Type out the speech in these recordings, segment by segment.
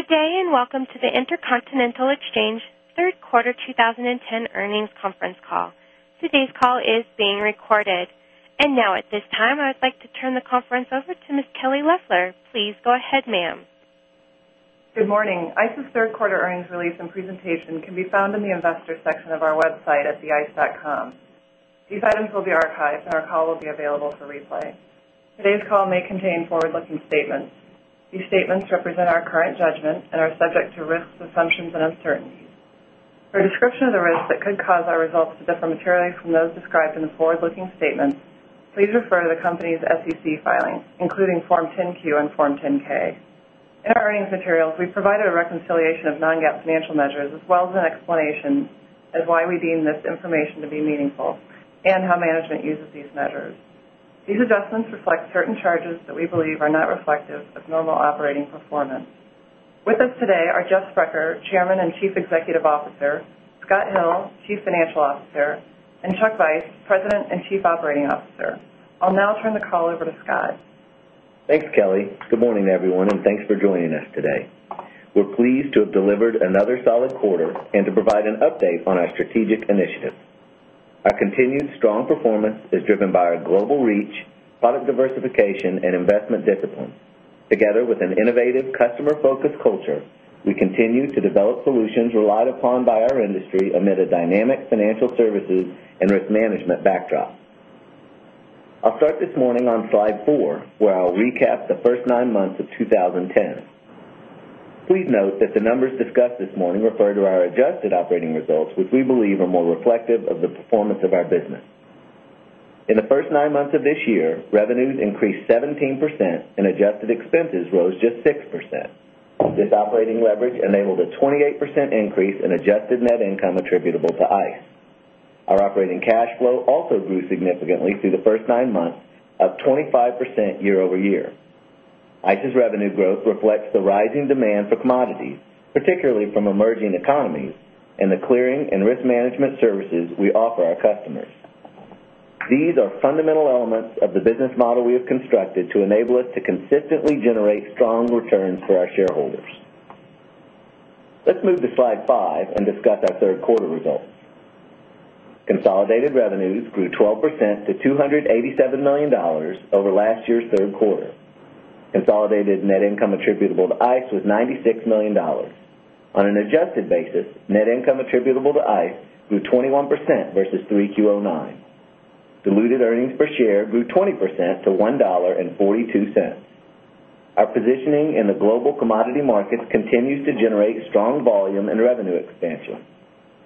Good day, and welcome to the Intercontinental Exchange Third Quarter 20 10 Earnings Conference Call. Today's call is being recorded. And now at this time, I would like to turn the conference over to Ms. Kelly Loeffler. Please go ahead, ma'am. Good morning. ICE's 3rd quarter earnings release and presentation can be found in the Investors section of our website at theice.com. These items will be archived and our call will be available for replay. Today's call may contain forward looking statements. These statements represent our current judgment and are subject to risks, assumptions and uncertainties. For a description of the risks that could cause our results to differ materially from those described in the forward looking statements, please refer to the company's SEC filings, including Form 10 Q and Form 10 ks. In our earnings materials, we provided a reconciliation of non GAAP financial measures as well as an explanation as why we deem this information to be meaningful and how management uses these measures. These adjustments reflect certain charges that we believe are not reflective of normal operating performance. With us today are Jeff Sprecher, Chairman and Chief Executive Officer Scott Hill, Chief Financial Officer and Chuck Veiss, President and Chief Operating Officer. I'll now turn the call over to Scott. Thanks, Kelly. Good morning, everyone, and thanks for joining us today. We're pleased to have delivered another solid quarter and to provide an update on our strategic initiatives. Our continued strong performance is driven by our global reach, product diversification and investment discipline. Together with an innovative customer focused culture, we continue to develop solutions relied upon by our industry amid a dynamic financial services and risk management backdrop. I'll start this morning on Slide 4, where I'll recap the 1st 9 months of 2010. Please note that the numbers discussed this morning refer to our adjusted operating results, which we believe are more reflective of the performance of our business. In the 1st 9 months of this year, revenues increased 17 percent and adjusted expenses rose just 6%. This operating leverage enabled a 28% increase in adjusted net income attributable to ICE. Our operating cash flow also grew significantly through the 1st 9 months, up 25% year over year. ICE's revenue growth reflects the rising demand for commodities, particularly from emerging economies and the clearing and risk management services we offer our customers. These are fundamental elements of the business model we have constructed to enable us to consistently generate strong returns for our shareholders. Let's move to slide 5 and discuss our 3rd quarter results. Consolidated revenues grew 12% to $287,000,000 over last year's Q3. Consolidated net income attributable to ICE was $96,000,000 On an adjusted basis, net income attributable to ICE grew 21% versus 3Q 'nine. Diluted earnings per share grew 20% to 1 $0.42 Our positioning in the global commodity markets continues to generate strong volume and revenue expansion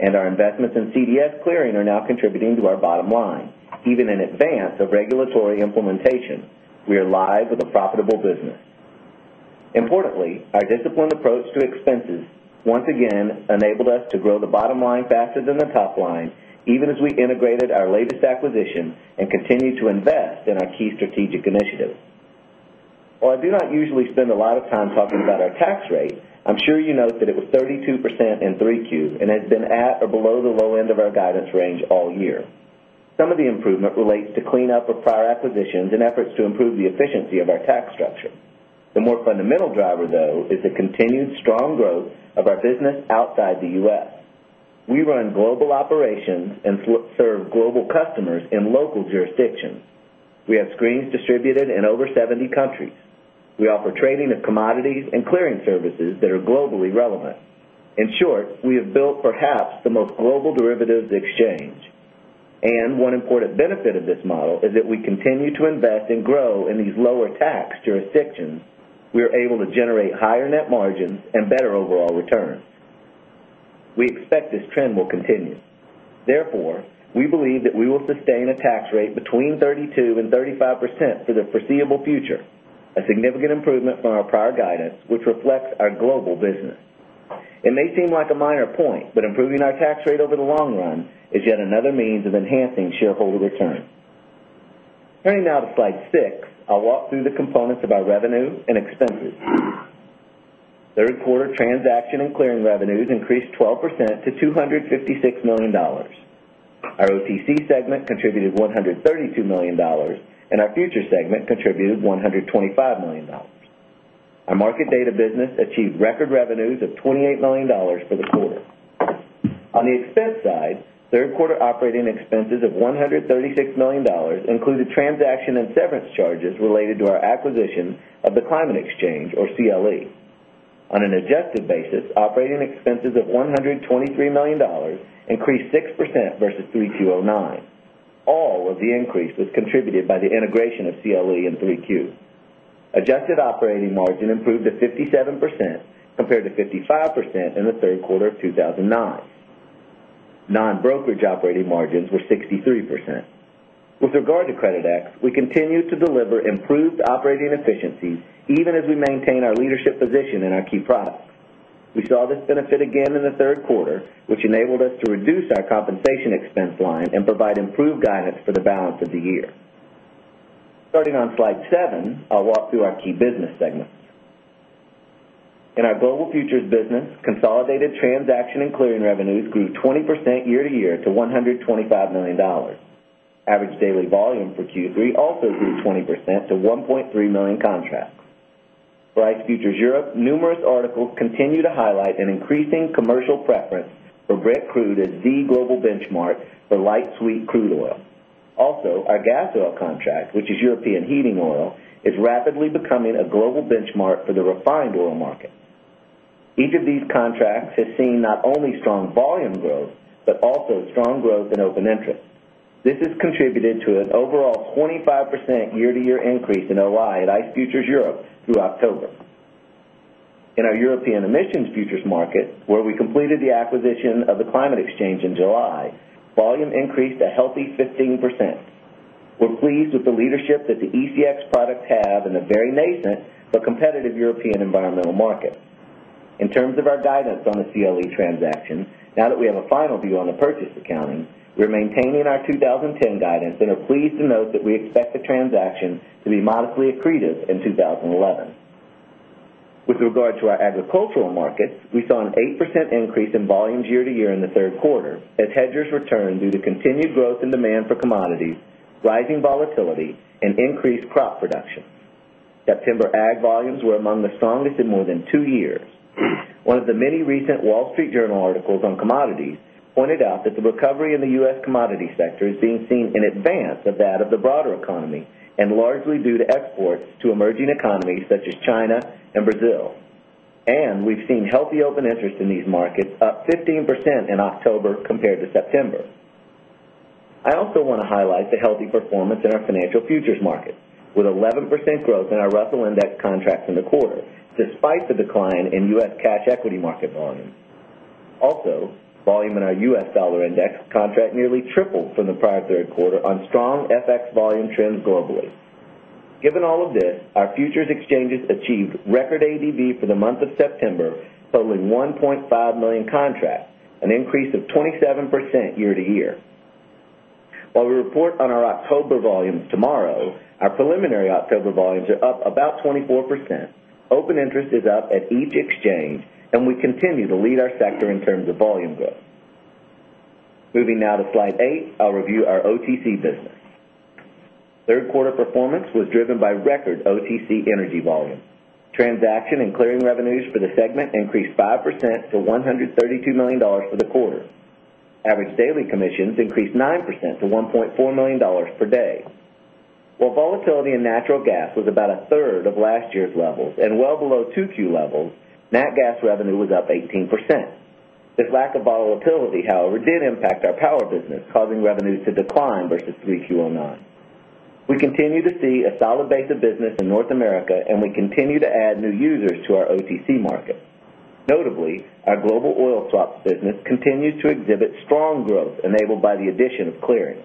and our investments in CDS Clearing are now contributing to our bottom line. Even in advance of regulatory implementation, we are live with a profitable business. Importantly, our disciplined approach to expenses once again enabled us to grow the bottom line faster than the top line even as we integrated our latest acquisition and continue to invest in our key strategic initiatives. While I do not usually spend a lot of time talking about our tax rate, I'm sure you note that it was 32% in 3Q and has been at or below the low end of our guidance range all year. Some of the improvement relates to cleanup of prior acquisitions to improve the efficiency of our tax structure. The more fundamental driver though is the continued strong growth of our business outside the U. S. We run global operations and serve global customers in local jurisdictions. We have screens distributed in over 70 countries. We offer trading of commodities and clearing services that are globally relevant. In short, we have built perhaps the most global derivatives exchange. And one important benefit of this model is that we continue to invest and grow in these lower tax jurisdictions, we are able to generate higher net margins and better overall returns. We expect this trend will continue. Therefore, we believe that we will sustain a tax rate between 32% 35% for the foreseeable future, a significant improvement from our prior guidance, which reflects our global business. It may seem like a minor point, but improving our tax rate over the long run is yet another means of enhancing shareholder return. Turning now to Slide 6, I'll walk through the components of our revenue and expenses. 3rd quarter transaction and clearing revenues increased 12% to $256,000,000 Our OTC segment contributed $132,000,000 and our Future segment contributed $125,000,000 Our Market Data business achieved record revenues of $28,000,000 for the quarter. On the expense side, 3rd quarter operating expenses of $136,000,000 included transaction and severance charges related to our acquisition of the Climate Exchange or CLE. On an adjusted basis, operating expenses of $123,000,000 increased 6% versus 3209. All of the increase was contributed by the integration of CLE and 3Q. Adjusted operating margin improved to 57% compared to 55% in the Q3 of 2009. Non brokerage operating margins were 63%. With regard to Creditex, we continue to deliver improved operating efficiencies even as we maintain our leadership position in our key products. We saw this benefit again in the Q3, which enabled us to reduce our compensation expense line and provide improved guidance for the balance of the year. Starting on slide 7, I'll walk through our key business segments. In our Global Futures business, consolidated transaction and clearing revenues grew 20% year to year to $125,000,000 Average daily volume for Q3 also grew 20% to 1,300,000 contracts. Bright Futures Europe numerous articles continue to highlight an increasing commercial preference for Brent Crude as the global benchmark for light sweet crude oil. Also, our gas oil contract, which is European heating oil, is rapidly becoming a global benchmark for the refined oil market. Each of these contracts has seen not only strong volume growth, but also strong growth in open interest. This has contributed to an overall 25% year to year increase in OI at ICE Futures Europe through October. In our European emissions futures market, where we completed the acquisition of the Climate Exchange in July, volume increased a healthy 15%. We're pleased with the leadership that the ECX products have in a very nascent but competitive European environmental market. In terms of our guidance on the CLE transaction, now that we have a final view on the purchase accounting, we're maintaining our 20 10 guidance and are pleased to note that we expect the transaction to be modestly accretive in 2011. With regard to our agricultural markets, we saw an 8% increase in volumes year to year in the Q3 as hedgers returned due to continued growth in demand for commodities, rising volatility and increased crop production. September ag volumes were among the strongest in more than 2 years. One of the many recent Wall Street Journal articles on commodities pointed out that the recovery in the U. S. Commodity sector is being seen in advance of that of the broader economy and largely due to exports to emerging economies such as China and Brazil. And we've seen healthy open interest in these markets, up 15% in October compared to September. I also want to highlight the healthy performance in our financial futures market, with 11% growth in our Russell Index contracts in the quarter despite the decline in U. S. Cash equity market volume. Also, volume in our U. S. Dollar index contract nearly tripled from the prior Q3 on strong FX volume trends globally. Given all of this, our futures exchanges achieved record ADV for the month of September, totaling 1,500,000 contracts, an increase of 27% year to year. While we report on our October volumes tomorrow, our preliminary October volumes are up about 24%, open interest is up at each exchange and we continue to lead our sector in terms of volume growth. Moving now to Slide 8, I'll review our OTC business. 3rd quarter performance was driven by record OTC Energy volume. Transaction and clearing revenues for the segment increased 5% to $132,000,000 for the quarter. Average daily commissions increased 9% to $1,400,000 per day. While volatility in natural gas was about a third of last year's levels and well below 2Q levels, natgas revenue was up 18%. This lack of volatility, however, did impact our Power business causing revenues to decline versus 3Q 'nine. We continue to see a solid base of business in North America and we continue to add new users to our OTC market. Notably, our global oil swaps business continues to exhibit strong growth enabled by the addition of clearing.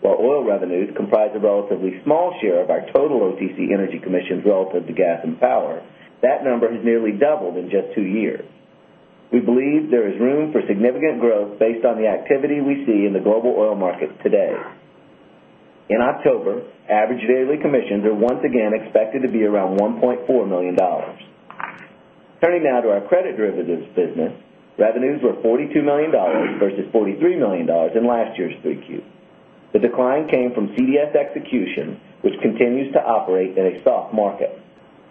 While oil revenues comprise a relatively small share of our total OTC energy commissions relative to Gas and Power, that number has nearly doubled in just 2 years. We believe there is room for significant growth based on the activity we see in the global oil market today. In October, average daily commissions are once again expected to be around $1,400,000 Turning now to our credit derivatives business. Revenues were $42,000,000 versus $43,000,000 in last year's 3Q. The decline came from CDS execution, which continues to operate in a soft market.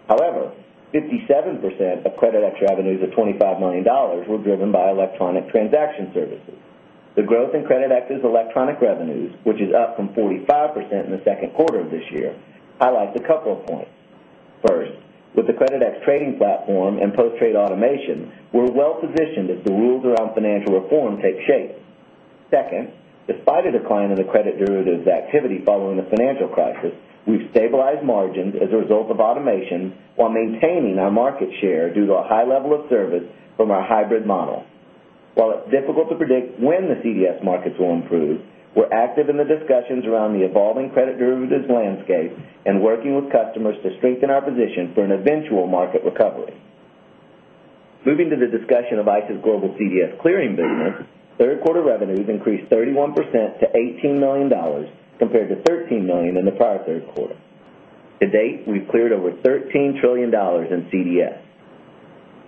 However, 57% of Creditex revenues of $25,000,000 were driven by electronic transaction services. The growth in Creditex's electronic revenues, which is up from 45 we're well positioned as the rules around financial reform take shape. We're well positioned as the rules around financial reform take shape. 2nd, despite a decline in the credit derivatives activity following the financial crisis, we've stabilized margins as a result of automation, while maintaining our market share due to a high level of service from our hybrid model. While it's difficult to predict when the CDS markets will improve, we're active in the discussions around the evolving credit derivatives landscape and working with customers to strengthen our position for an eventual market recovery. Moving to the discussion of ICE's global CDS clearing business, 3rd quarter revenues increased 31 percent to $18,000,000 compared to $13,000,000 in the prior Q3. To date, we've cleared over $13,000,000,000,000 in CDS.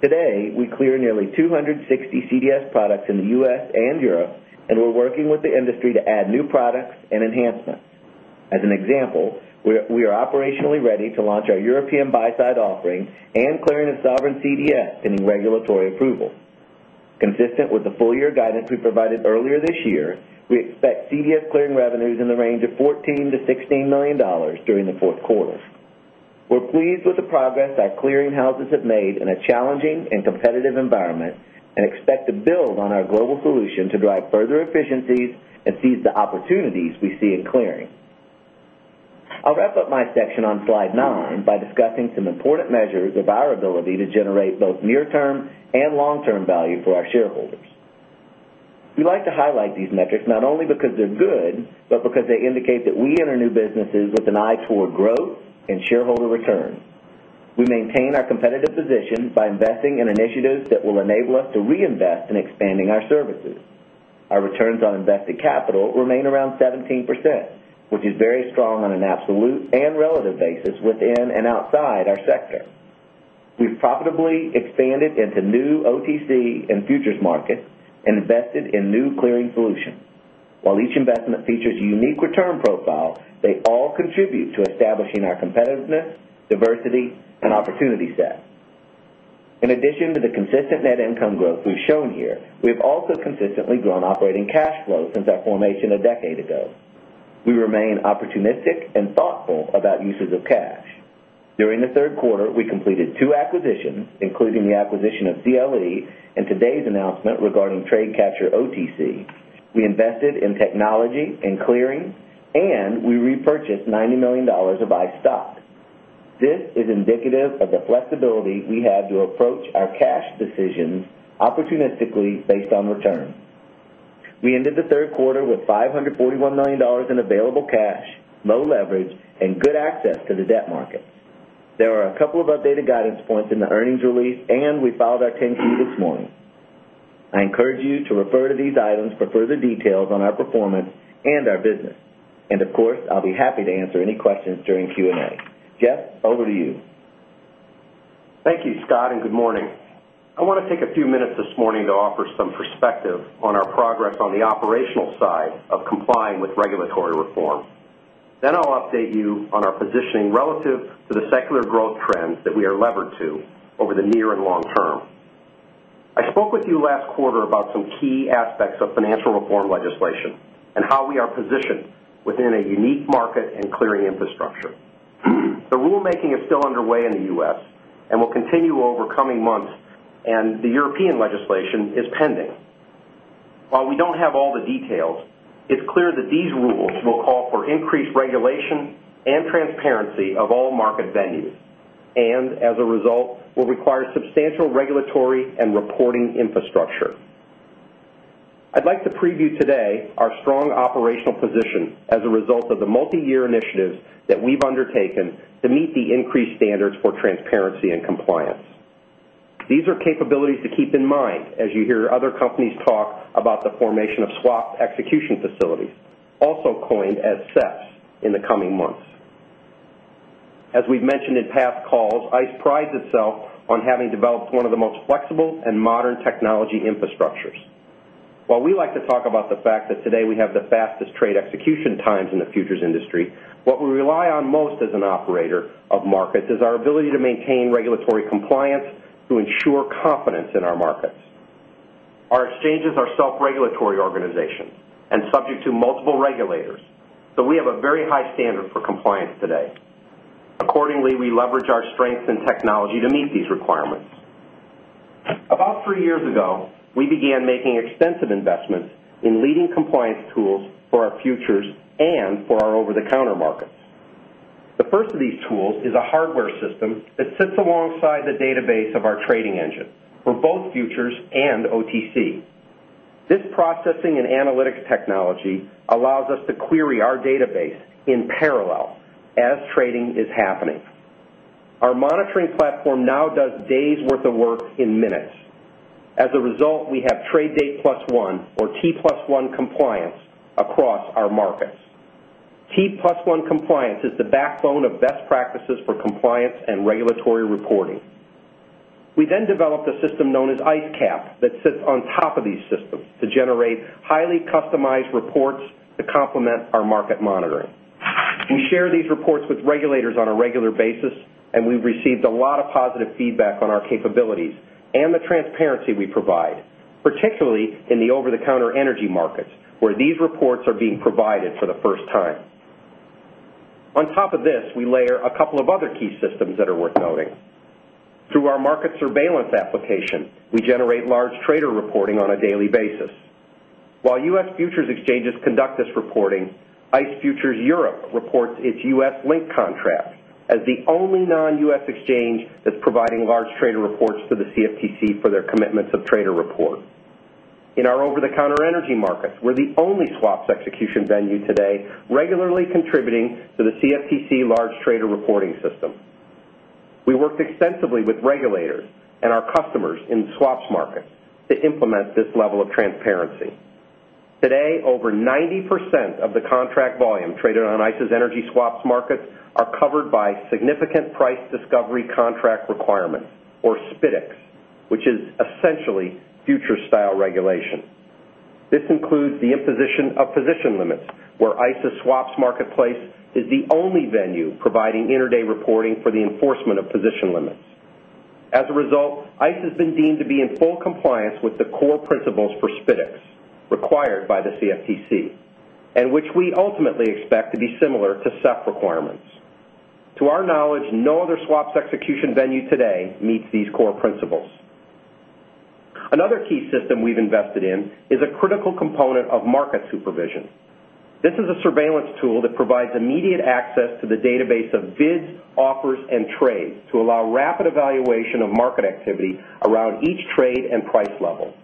Today, we clear nearly 2 60 CDS products in the U. S. And Europe and we're working with the industry to add new products and enhancements. As an example, we are operationally ready to launch our European buy side offering and clearing of Sovereign CDS pending regulatory approval. Consistent with the full year guidance we provided earlier this year, we expect CDF clearing revenues in the range of $14,000,000 to $16,000,000 during the Q4. We're pleased with the progress that clearing houses have made in a challenging and competitive environment and expect to build on our global solution to drive further efficiencies and seize the opportunities we see in clearing. I'll wrap up my section on Slide 9 by discussing important measures of our ability to generate both near term and long term value for our shareholders. We like to highlight these metrics not only because they're good, but because they indicate that we enter new businesses with an eye toward growth and shareholder return. We maintain our competitive position by investing in initiatives that will enable us to reinvest in expanding our services. Our returns on invested capital remain around 17%, which is very strong on an absolute and relative basis within and outside our sector. We've profitably expanded into new OTC and futures market and invested in new clearing solutions. While each investment features a unique return profile, they all contribute to establishing our competitiveness, diversity and opportunity set. In addition to the consistent net income growth we've shown here, we've also consistently grown operating cash flow since our formation a decade ago. We remain opportunistic and thoughtful about uses of cash. During the Q3, we completed 2 acquisitions, including the acquisition of CLE and today's announcement regarding Trade Capture OTC. We invested in technology and clearing and we repurchased $90,000,000 of iStock. This is indicative of the flexibility we have to approach our cash decisions opportunistically based on return. We ended the Q3 with $541,000,000 in available cash, low leverage and good access to the debt market. There are a couple of updated guidance points in the earnings release and we filed our 10 Q this morning. I encourage you to refer to these items for further details on our performance and our business. And of course, I'll be happy to answer any questions during Q and A. Jeff, over to you. Thank you, Scott, and good morning. I want to take a few minutes this morning to offer some perspective on our progress on the operational side of complying with regulatory reform. Then I'll update you on our positioning relative to the secular growth trends that we are levered to over the near and long term. I spoke with you last quarter about some key aspects of financial reform legislation and how we are positioned within a unique market and clearing infrastructure. The rulemaking is still underway in the U. S. And will continue over coming months and the European legislation is pending. While we don't have all the details, it's clear that these rules will call for increased regulation and transparency of all market venues and as a result will require substantial regulatory and reporting infrastructure. I'd like to preview today our strong operational position as a result of the multi year initiatives that we've undertaken to meet the increased standards for transparency and compliance. These are capabilities to keep in mind as you hear other companies talk about the formation of swap execution facilities, also coined as SEPS in the coming months. As we've mentioned in past calls, ICE prides itself on having developed one of the most flexible and modern technology infrastructures. While we like to talk about the fact that today we have the fastest trade execution times in the futures industry, what we rely on most as an operator of markets is our ability to maintain regulatory compliance to ensure confidence in our markets. Our exchanges are self regulatory organizations and subject to multiple regulators, so we have a very high standard for compliance today. Accordingly, we leverage our strength and technology to meet these requirements. About 3 years ago, we began making extensive investments in leading compliance tools for our futures and for our over the counter markets. The first of these tools is a hardware system that sits alongside the database of our trading engine for both futures and OTC. This processing and analytics technology allows us to query our database in parallel as trading is happening. Our monitoring platform now does days' worth of work in minutes. As a result, we have Trade Date Plus 1 or T Plus 1 compliance across our markets. T Plus 1 compliance is the backbone of best to generate highly customized reports to complement our market monitoring. We share these reports with regulators on a regular basis and we've received a lot of positive feedback on our capabilities and the transparency we provide, particularly in the over the counter energy markets where these reports are being provided for the first time. On top of this, we layer a couple of other key systems that are worth noting. Through our market surveillance application, we generate large trader reporting on a daily basis. While U. S. Futures exchanges conduct this reporting, ICE Futures Europe reports its U. S. LINK contract as the only non U. S. Exchange that's providing large trader reports to the CFTC for their commitments of trader report. In our over the counter energy markets, we're the only swaps execution venue today, regularly contributing to the CFTC large trader reporting system. We worked extensively with regulators and our customers in swaps markets to implement this level of transparency. Today, over 90% of the contract volume traded on ICE's energy swaps markets are covered by Significant Price Discovery Contract Requirement or SPITICS, which is essentially future style regulation. This includes the imposition of position limits where ISA Swaps marketplace is the only venue providing inter day reporting for the enforcement of position limits. As a result, ICE has been deemed to be in full compliance with the core principles for SPITICS required by the CFTC and which we ultimately expect to be similar to SEP requirements. To our knowledge, no other swaps execution venue today meets these core principles. Another key system we've invested in is a critical component of market supervision. This is a surveillance tool that provides immediate access to the database of bids, offers and trades to allow rapid evaluation of market activity around each trade and price level.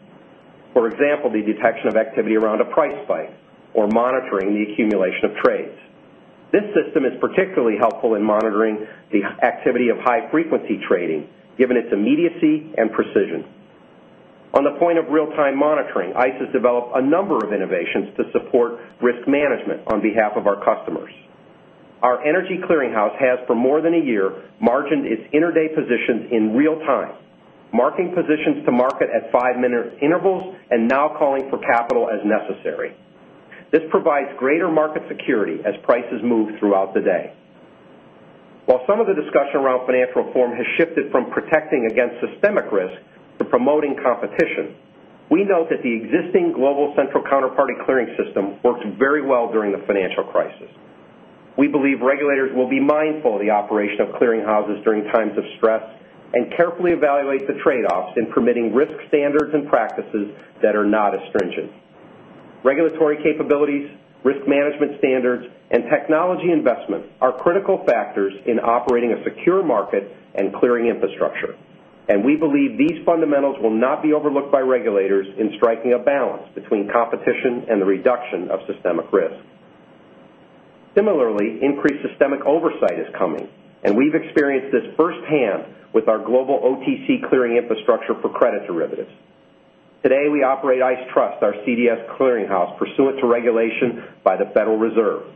For example, the detection of activity around a price spike or monitoring the accumulation of trades. This system is particularly helpful in monitoring the activity of high frequency trading given its immediacy and precision. On the point of real time monitoring, ICE has developed a number of innovations to support risk management on behalf of our customers. Our Energy Clearing House has for more than a year margined its inter day positions in real time, marking positions to market at 5 minute intervals and now calling for capital as necessary. This provides greater market security as prices move throughout the day. While some of the discussion around Financial Reform has shifted from protecting against systemic risk to promoting competition, we note that the existing global central counterparty system worked very well during the financial crisis. We believe regulators will be mindful of the operation of clearinghouses during times of stress and carefully evaluate the trade offs in permitting risk standards and practices that are not as stringent. Regulatory capabilities, risk management standards and technology investments are critical factors in operating a secure market and clearing infrastructure, and we believe these fundamentals will not be overlooked by regulators in striking a balance between competition and the reduction of systemic risk. Similarly, increased systemic oversight is coming and we've experienced this firsthand with our global OTC clearing infrastructure for credit derivatives. Today, we operate ICE Trust, our CDS clearinghouse pursuant to regulation by the Federal Reserve.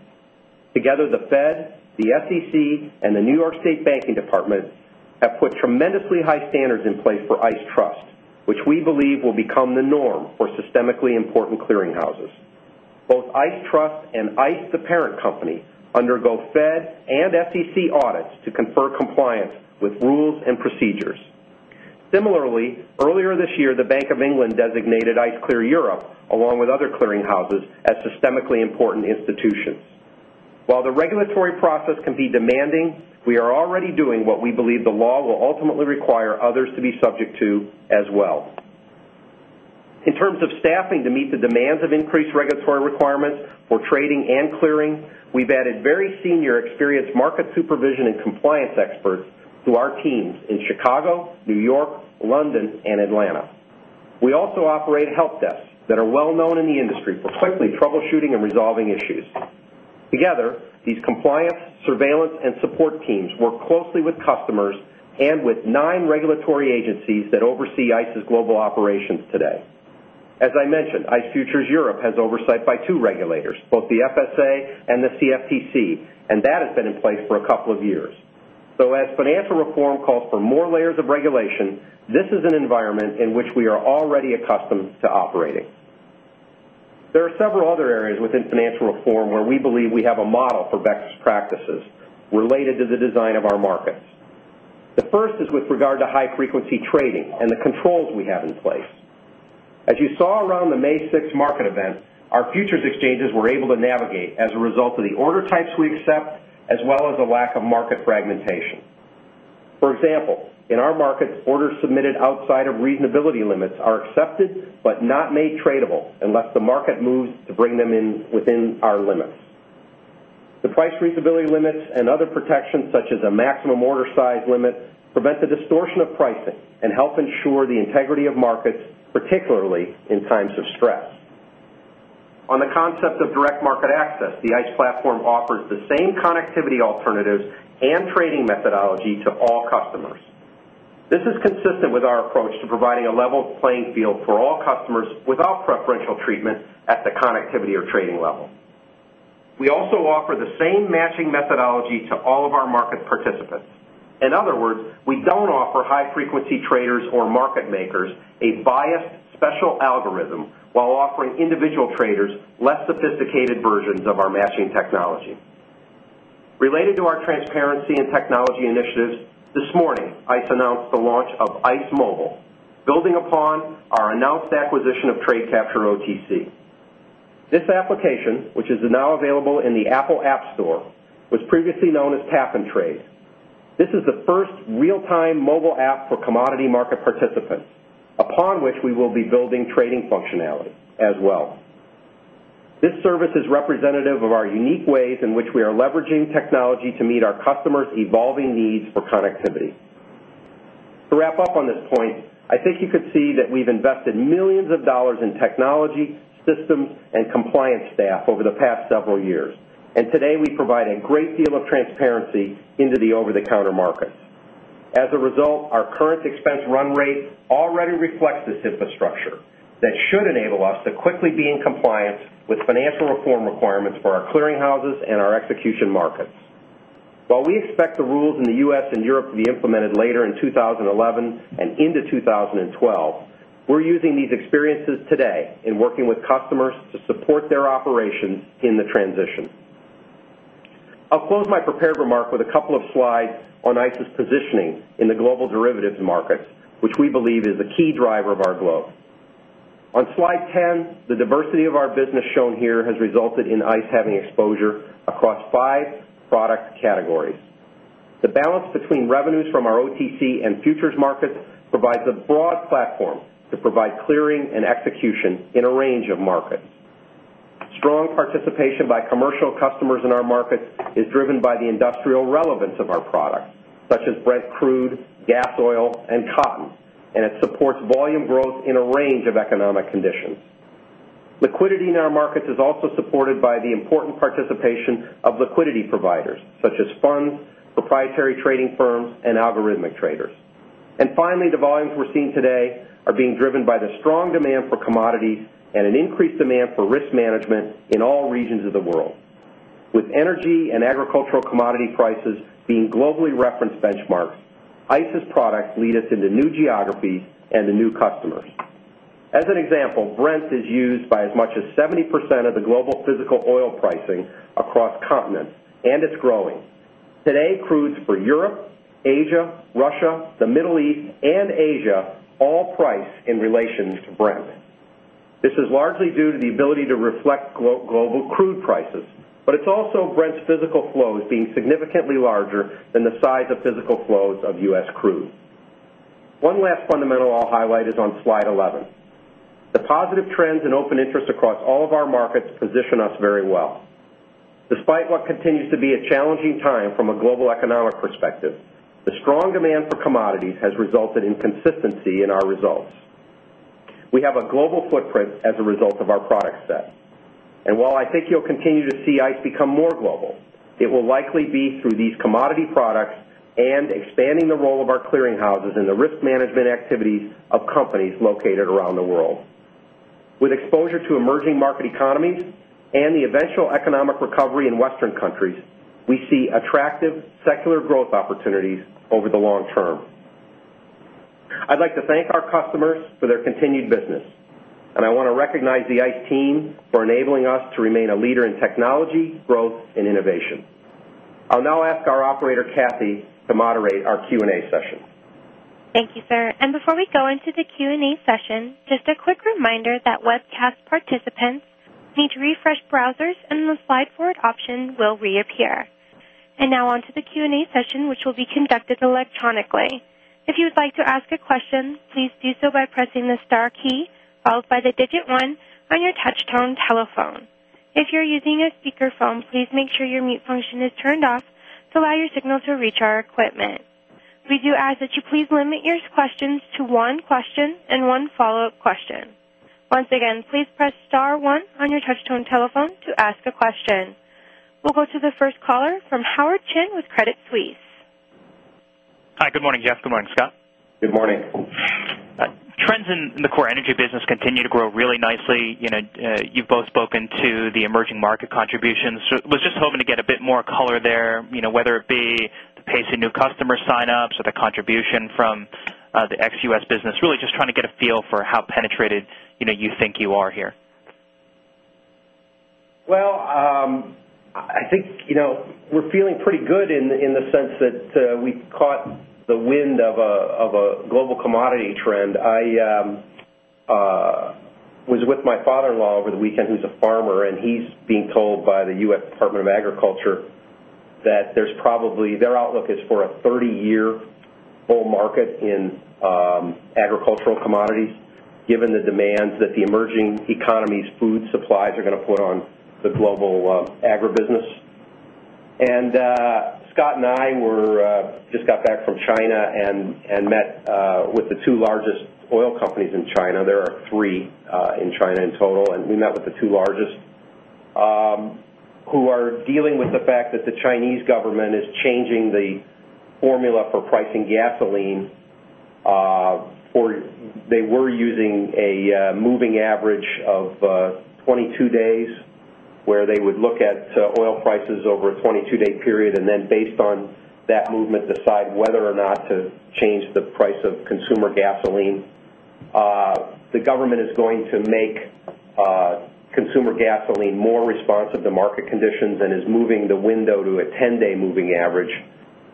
Together, the Fed, the SEC and the New York State Banking Department have put tremendously high standards in place for ICE Trust, which we believe will become the norm for systemically important clearinghouses. Both ICE Trust and ICE, the parent company, undergo Fed and SEC audits to confer compliance with rules and procedures. Similarly, earlier this year, the Bank of England designated ICE Clear Europe along with other clearinghouses as systemically important institutions. While the regulatory process can be demanding, we are already doing what we believe the law will ultimately require others to be subject to as well. In terms of staffing to meet the demands of increased regulatory requirements for trading and clearing, we've added very senior experienced market supervision and compliance experts to our teams in Chicago, New York, London and Atlanta. We also operate help desks that are well known in the industry for quickly troubleshooting and resolving issues. Together, these compliance, surveillance and support teams work closely with customers and with 9 regulatory agencies that oversee ICE's global operations today. As I mentioned, ICE Futures Europe has oversight by 2 regulators, both the FSA and the CFTC, and that has been in place for a couple of years. So as financial reform calls for more layers of regulation, this is an environment in which we are already accustomed to operating. There are several other areas within Financial Reform where we believe we have a model for BECS' practices related to the design of our markets. The first is with regard to high frequency trading and the controls we have in place. As you saw around the May 6 market event, our futures exchanges were able to navigate as a result of the order types we accept as well as the lack of market fragmentation. For example, in our markets, orders submitted outside of reasonability limits are accepted, but not made tradable unless the market moves to bring them in within our limits. The price reasonability limits and other protections such as a maximum order size limit prevent the distortion of pricing and help ensure the integrity of markets, particularly in times of stress. On the concept of direct market access, the ICE platform offers the same connectivity alternatives and trading methodology to all customers. This is consistent with our approach to providing a level playing field for all customers without preferential treatment at the connectivity or trading level. We also offer the same matching methodology to all of our market participants. In other words, we don't offer high frequency traders or market makers a biased special algorithm while offering individual traders less sophisticated versions of our matching technology. Related to our transparency and technology initiatives, this morning, ICE announced the launch of ICE Mobile, building upon our announced acquisition of Trade Capture OTC. This application, which is now available in the Apple App Store, was previously known as Tap and Trade. This is the first real time mobile app for commodity market participants upon which we will be building trading functionality as well. This service is representative of our unique ways in which we are leveraging technology to meet our customers' evolving needs for connectivity. To wrap up on this point, I think you could see that we've invested 1,000,000 of dollars in technology, systems and compliance staff over the past several years. And today we provide a great deal of transparency into the over the counter markets. As a result, our current expense run rate already reflects this infrastructure that should enable us to quickly be in compliance with financial reform requirements for our clearinghouses and our execution markets. While we expect the rules in the U. S. And Europe to be implemented later in 2011 and into 2012, we're using these experiences today in working with customers to support their operations in the transition. I'll close my prepared remark with a couple of slides on ICE's positioning in the global derivatives markets, which we believe is the key driver of our globe. On slide 10, the diversity of our business shown here has resulted in ICE having exposure across 5 product categories. The balance between revenues from our OTC and futures markets provides a broad platform to provide clearing and execution in a range of markets. Strong participation by commercial customers in our markets is driven by the industrial relevance of our products, such as Brent Crude, Gas Oil and Cotton, and it supports volume growth in a range of economic conditions. Liquidity in our markets is also supported by the important participation of liquidity providers such as funds, proprietary trading firms and algorithmic traders. And finally, the volumes we're seeing today are being driven by the strong demand for commodities and an increased demand for risk management in all regions of the world. With energy and agricultural commodity prices being globally referenced benchmarks, ICE's products lead us into new geographies and to new customers. As an example, Brent is used by as much as 70% of the global physical oil pricing across continents and it's growing. Today crudes for Europe, Asia, Russia, the Middle East and Asia all price in relations to Brent. This is largely due to the ability to reflect global crude prices, but it's also Brent's physical flows being significantly larger than the size of physical flows of U. S. Crude. One last fundamental I'll highlight is on Slide 11. The positive trends in open interest across all of our markets position us very well. Despite what continues to be a challenging time from a global economic perspective, the strong demand for commodities has resulted in consistency in our results. We have a global footprint as a result of our product set. And while I think you'll continue to see ICE become more global, it will likely be through these commodity products and expanding the role of our clearinghouses in the risk management activities of companies located around the world. With exposure to emerging market economies and the eventual economic recovery in Western countries, we see attractive secular growth opportunities over the long term. I'd like to thank our customers for their continued business, and I want to recognize the ICE team for enabling us to remain a leader in technology, growth and innovation. I'll now ask our operator, Kathy, to moderate our Q and A session. Thank you, sir. And before we go into the Q and A session, just a quick reminder that webcast participants need to refresh browsers and the slide forward option will We'll go to the first caller from Howard Chin with Credit Suisse. Hi. Good morning, Jeff. Good morning, Scott. Good morning. Trends in the core Energy business continue to grow really nicely. You've both spoken to the emerging market contribution. So I was just hoping to get a bit more color there, whether it be the pace of new customer sign ups or the contribution from the ex U. S. Business, really just trying to get a feel for how penetrated you think you are here? Well, I think we're feeling pretty good in the sense that we caught the wind of a global commodity trend. I was with my father-in-law over the weekend who's a farmer and he's being told by the U. S. Department of Agriculture that there's probably their outlook is for a 30 year full market in agricultural commodities, given the demands that the emerging economies, food supplies are going to put on the global agribusiness. And Scott and I were just got back from China and met with the 2 largest oil companies in China. There are 3 in China in total, and we met with the 2 largest, who are dealing with the fact that the Chinese government is changing the formula for pricing gasoline for they were using a moving average of 22 days where they would look at oil prices over a 22 day period and then based on that movement decide whether or not to change the price of consumer gasoline. The government is going to make consumer gasoline more responsive to market conditions and is moving the window to a 10 day moving average.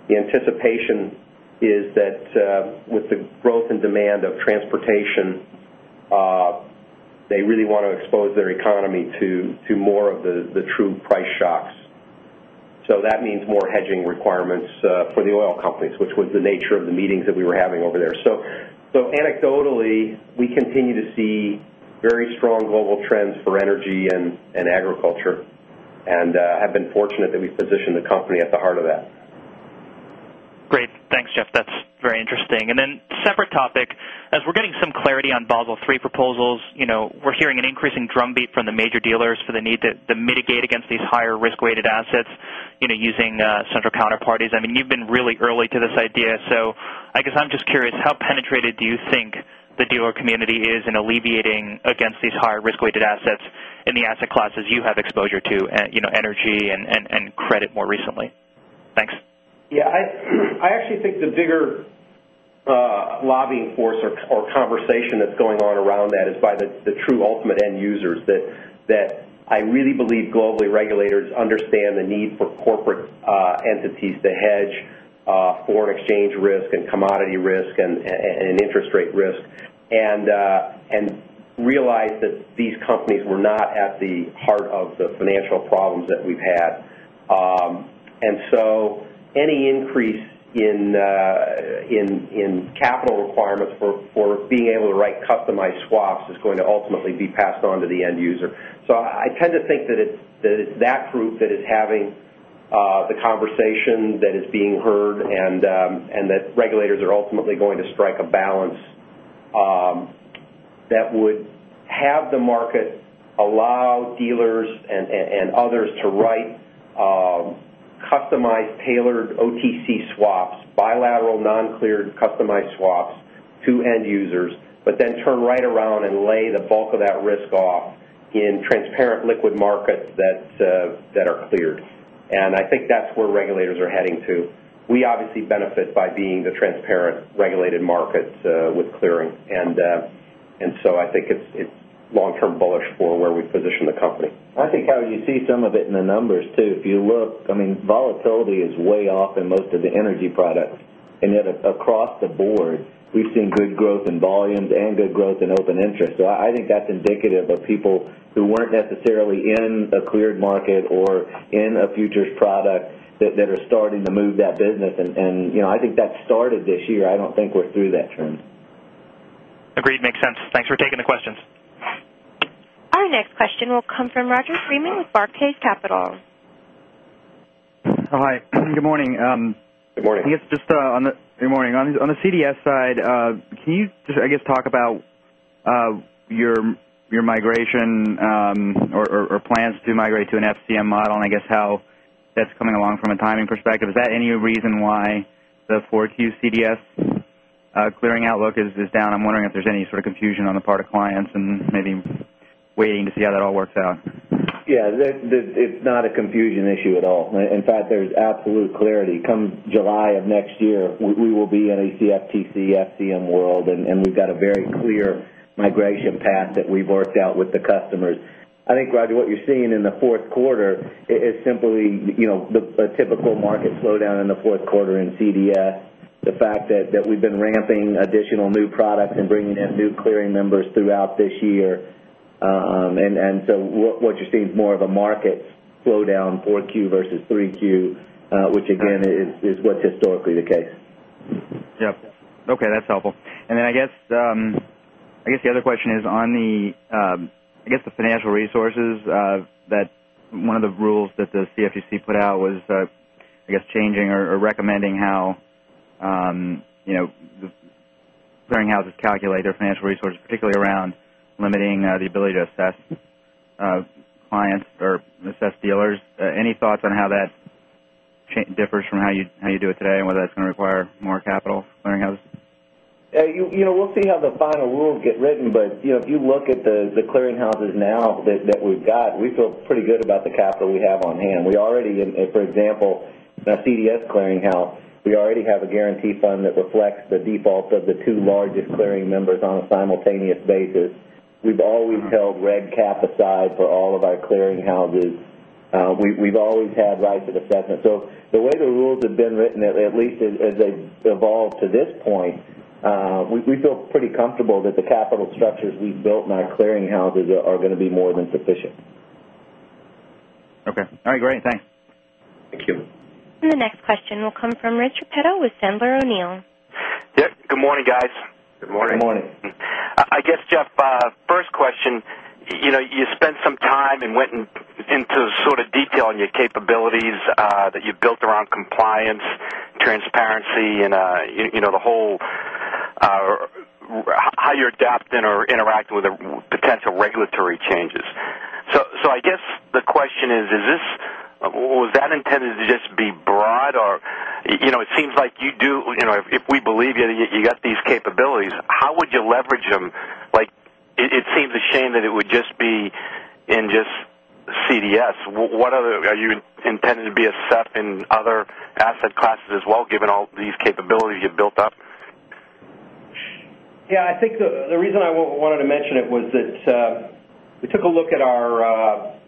The anticipation is that with the growth in demand of transportation, they really want to expose their economy to more of the true price shocks. So that means more hedging requirements for the oil companies, which was the nature of the meetings that we were having over there. So anecdotally, we continue to see very strong global trends for energy and agriculture and have been fortunate that we've positioned the company at the heart of that. Great. Thanks, Jeff. That's very interesting. And then separate topic. As we're getting some clarity on Basel III proposals, we're hearing an increasing drumbeat from the major dealers for the need to mitigate against these higher risk weighted assets using central counterparties. I mean, you've been really early to this idea. So I guess I'm just curious how penetrated do you think the dealer community is in alleviating against these higher risk weighted assets in the asset class as you have exposure to energy and credit more recently? Thanks. Yes. I actually think the bigger lobbying force or conversation that's going on around that is by the true ultimate end users that I really believe globally regulators understand the need for corporate entities to hedge foreign exchange risk and commodity risk and interest rate risk and realized that these companies were not at the heart of the financial problems that we've had. And so, any increase in capital requirements for being able to write customized swaps is going to ultimately be passed on to the end user. So, I tend to think that it's that group that is having the conversation that is being heard and that regulators are ultimately going strike a balance that would have the market allow dealers and others to write customized tailored OTC swaps, bilateral non cleared customized swaps to end users, but then turn right around and lay the bulk of that risk off in transparent liquid markets that are cleared. And I think that's where regulators are heading to. We obviously benefit by being the transparent regulated market with clearing. And so I think it's long term bullish for where we position the company. I think, Howard, you see some of it in the numbers too. If you look, I mean, volatility is way off in most of the energy products. And yet across the board, we've seen good growth in volumes and good growth in open interest. So I think that's indicative of people who weren't necessarily in a cleared market or in a futures product that are starting to move that business. And I think that started this year. I don't think we're through that trend. Agreed. Makes sense. Thanks for taking the questions. Our next question will come from Roger Freeman with Barclays Capital. Hi, good morning. Good morning. I guess just on the CDS side, can you just I guess talk about your migration or plans to migrate to an FCM model? And I guess how that's coming along from a timing perspective? Is that any reason why the 4Q CDS clearing outlook is down? I'm wondering if there's any sort of confusion on the part of clients and maybe waiting to see how that all works out. Yes. It's not a confusion issue at all. In fact, there's absolute clarity. Come July of next year, we will be in a CFTC, FCM world and we've got a very clear migration path that we've worked out with the customers. I think, Roger, what you're seeing in the Q4 is simply a typical market slowdown in the Q4 in CDS. The fact that we've been ramping additional new products and bringing in new clearing members throughout this year. And so what you're seeing is more of a market slowdown 4Q versus 3Q, which again is what's historically the case. Yes. Okay, that's helpful. And then I guess, the other question is on the I guess the financial resources that one of the rules that the CFTC put out was, I guess, changing or recommending how clearinghouses calculate their financial resources, particularly around limiting the ability to assess clients or assess dealers. Any thoughts on how that differs from how you do it today and whether that's going to require more capital clearinghouses? We'll see how the final rules get written. But if you look at the clearinghouses now that we've got, we feel pretty good about the capital we have on hand. We already, for example, the CDS Clearinghouse, we already have a guarantee fund that reflects the defaults of the 2 largest clearing members on a simultaneous basis. We've always held reg cap aside for all of our clearing houses. We've always had rights of assessment. So the way the rules have been written, at least as they evolve to this point, we feel pretty comfortable that the capital structures we've built in our clearinghouses are going to be more than sufficient. Okay. All right, great. Thanks. Thank you. And the next question will come from Richard Petal with Sandler O'Neill. Good morning, guys. Good morning. Good morning. I guess, Jeff, first question, you spent some time and went into sort of detail on your capabilities that built around compliance, transparency and the whole how you're adapting or interacting with the potential regulatory changes. So I guess the question is, is this was that intended to just be broad? Or it seems like you do if we believe you got these capabilities, how would you leverage them? Like it seems a shame that it would just be in just CDS. What are the are you intended to be a set in other asset classes as well given all these capabilities you've built up? Yes. I think the reason I wanted to mention it was that we took a look at our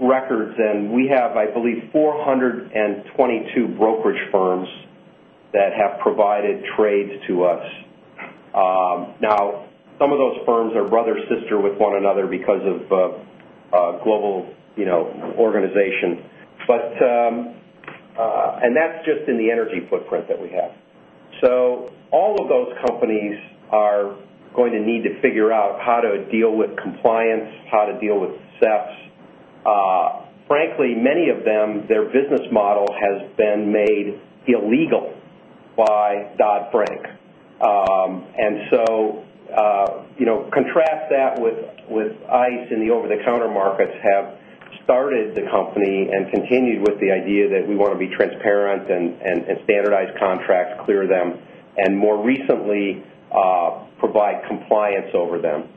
records and we have, I believe, 422 brokerage firms that have provided trades to us. Now some of those firms are brother sister with one another because of global organization. And that's just in the energy footprint that we have. So, all of those companies are going to need to figure out how to deal with compliance, how to deal with SEPs. Frankly, many of them, their business model has been made illegal by Dodd Frank. And so contrast that with ICE and the over the counter markets have started the company and continued with the idea that we want to be transparent and standardize contracts, clear them and more recently provide compliance over them.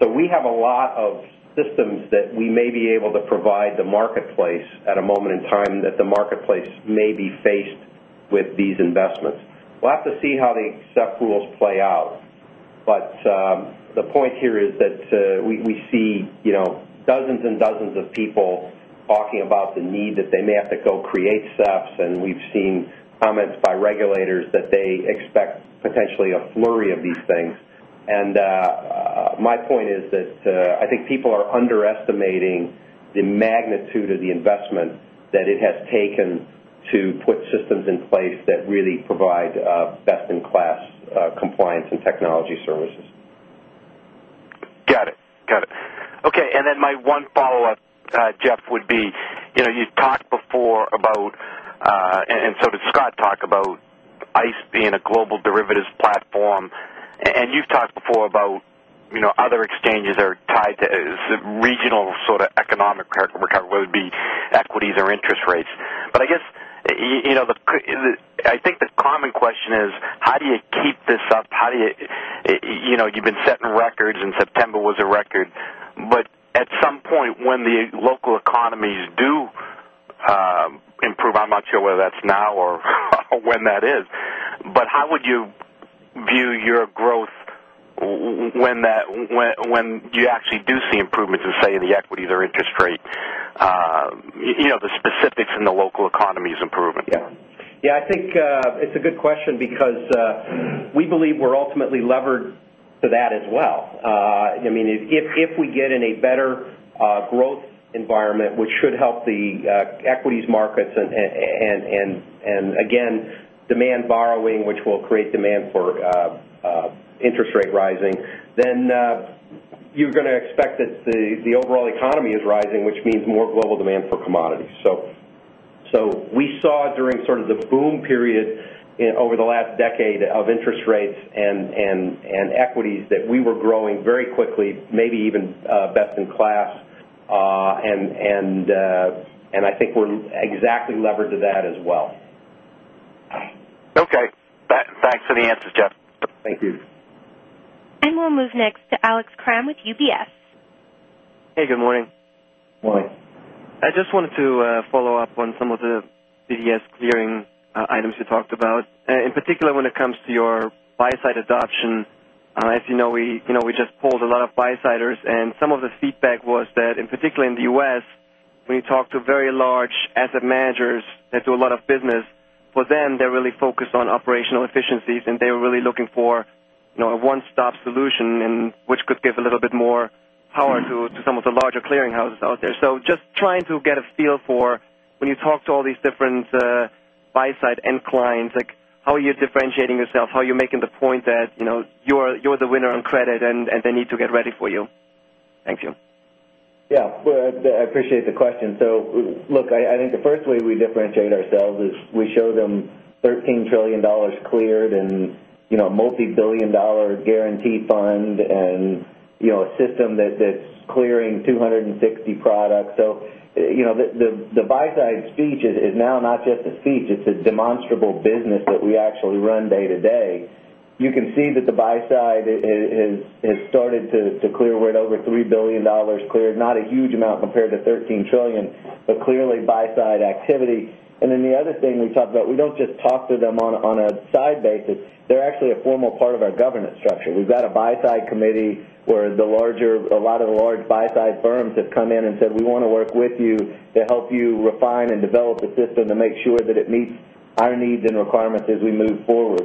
So, we have a lot of systems that we may be able to provide the marketplace at a moment in time that the marketplace may be faced with these investments. We'll have to see how the rules play out. But the point here is that we see dozens and dozens of people talking about the need that they may have to go create CEPs and we've seen comments by regulators that they expect potentially a flurry of these things. And my point is that I think people are underestimating the magnitude of the investment that it has taken to put systems in place that really provide best in class compliance and technology services. Got it. Got it. Okay. And then my one follow-up, Jeff, would be, you've talked before about and so did Scott talk about ICE being a global derivatives platform. And you've talked before about other exchanges are tied to regional sort of economic record, whether it be equities or interest rates. But I guess I think the common question is, how do you keep this up? How do you you've been setting records and September was a record. But at some point, when the local economies do improve, I'm not sure whether that's now or when that is, but how would you view your growth when that when you actually do see improvements in, say, the equities or interest rate, the specifics in the local economies improvement? Yes. I think it's a good question because we believe we're ultimately levered to that as well. I mean, if we get in a better growth environment, which should help the equities markets and again demand borrowing, which will create demand for interest rate rising, then you're going to expect that the overall economy is rising, which means more global demand for commodities. So, we saw during sort of the boom period over the last decade of interest rates and equities that we were growing very quickly, maybe even best in class. And I think we're exactly levered to that as well. Okay. Thanks for the answers, Jeff. Thank you. And we'll move next to Alex Kramm with UBS. Hey, good morning. Good morning. I just wanted to follow-up on some of the BDS clearing items you talked about. In particular, when it comes to your buy side adoption, as you know, we just pulled a lot of buy side ers and some of the feedback was that, in particular in the U. S, when you talk to very large asset managers that do a lot of business, for them, they're really focused on operational efficiencies and they're really looking for a one stop solution, which could give a little bit more power to some of the larger clearing houses out there. So just trying to get a feel for when you talk to all these different buy side end clients like how are you differentiating yourself? How are you making the point that you're the winner on credit and they need to get ready for you? Thank you. Yes. Well, I appreciate the question. So look, I think the first way we differentiate ourselves is we show them $13,000,000,000,000 cleared and multi $1,000,000,000 guarantee fund and a system that's clearing 2 60 products. So the buy side speech is now not just a speech, it's a demonstrable business that we actually run day to day. You can see that the buy side has started to clear. We're at over $3,000,000,000 cleared, not a huge amount compared to $13,000,000,000,000 but clearly buy side activity. And then the other thing we talked about, we don't just talk to them on a side basis. They're actually a formal part of our governance structure. We've got a buy side committee where the larger a lot of the large buy side firms have come in and said, we want to work with you to help you refine and develop the system to make sure that it meets our needs and requirements as we move forward.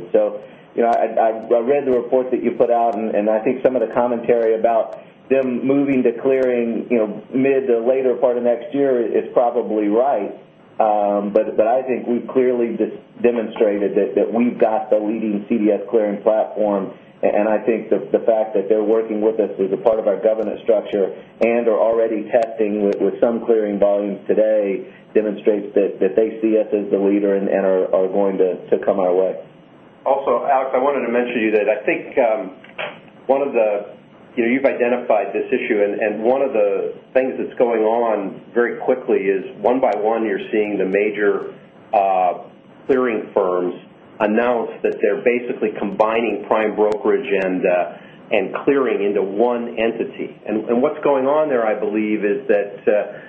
So I read the report that you put out and I think some of the commentary about them moving to clearing mid to later part of next year is probably right. But I think we've clearly demonstrated that we've got the leading CDS clearing platform. And I think the fact that they're working with us as a part of our governance structure and are already testing with some clearing volumes today demonstrates that they see us as the leader and are going to come our way. Also, Alex, I wanted to mention to you that I think one of the you've identified this issue and one of the things that's going on very quickly is 1 by 1 you're seeing the major clearing firms announce that they're basically combining prime brokerage and clearing into one entity. And what's going on there, I believe, is that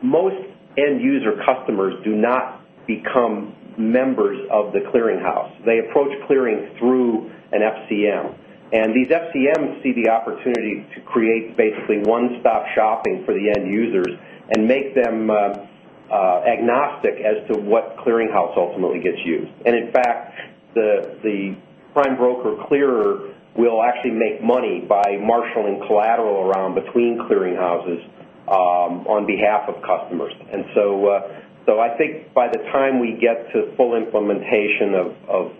most end user customers do not become members of the clearinghouse. They approach clearing through an FCM. And these FCMs see the opportunity to create basically one stop shopping for the end users and make them agnostic as to what clearinghouse ultimately gets used. And in fact, the prime broker, Clearer, will actually make money by marshaling collateral around between clearinghouses on behalf of customers. And so I think by the time we get to full implementation of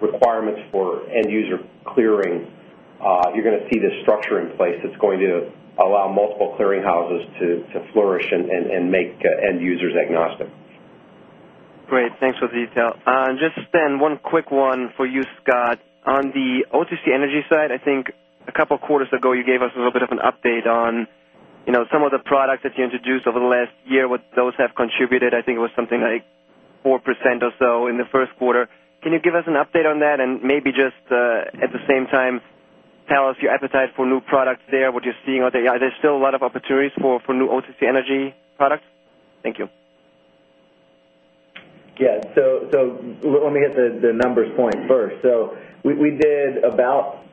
requirements for end user clearing, you're going to see this structure in place that's going to allow multiple clearinghouses to flourish and make end users agnostic. Great. Thanks for the detail. And just then one quick one for you, Scott. On the OTC Energy side, I think a couple of quarters ago, you gave us a little bit of an update on some of the products that you introduced over the last year, what those have contributed. I think it was something like 4% or so in the Q1. Can you give us an update on that? And maybe just at the same time, tell us your appetite for new products there, what you're seeing out there? Are there still a lot of opportunities for new OTC Energy products? Thank you. Yes. So, let me get the numbers point first. So, we did about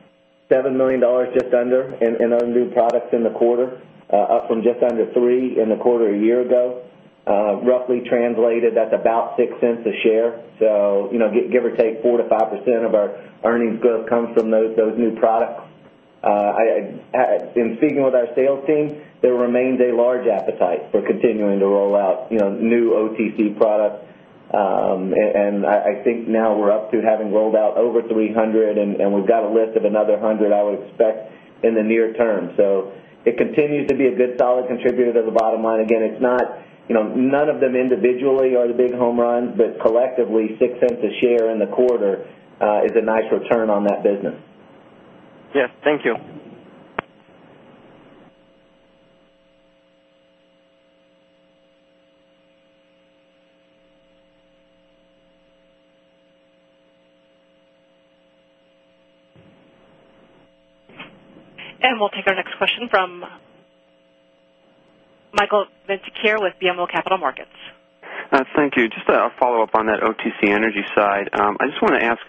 $7,000,000 just under in our new products in the quarter, up from just under $3,000,000 in the quarter a year ago, roughly translated that's about $0.06 a share. So give or take 4% to 5% of our earnings growth comes from those new products. In speaking with our sales team, there remains a large appetite for continuing to roll out new OTC products. And I think now we're up to having rolled out over 300 and we've got a list of another 100, I would expect, in the near term. So it continues to be a good solid contributor to the bottom line. Again, it's not none of them individually are the big home runs, but collectively, dollars 0.06 a share in the quarter is a nice return on that business. Yes. Thank you. And we'll take our next question from Michael Venteciar with BMO Capital Markets. Thank you. Just a follow-up on that OTC Energy side. I just want to ask,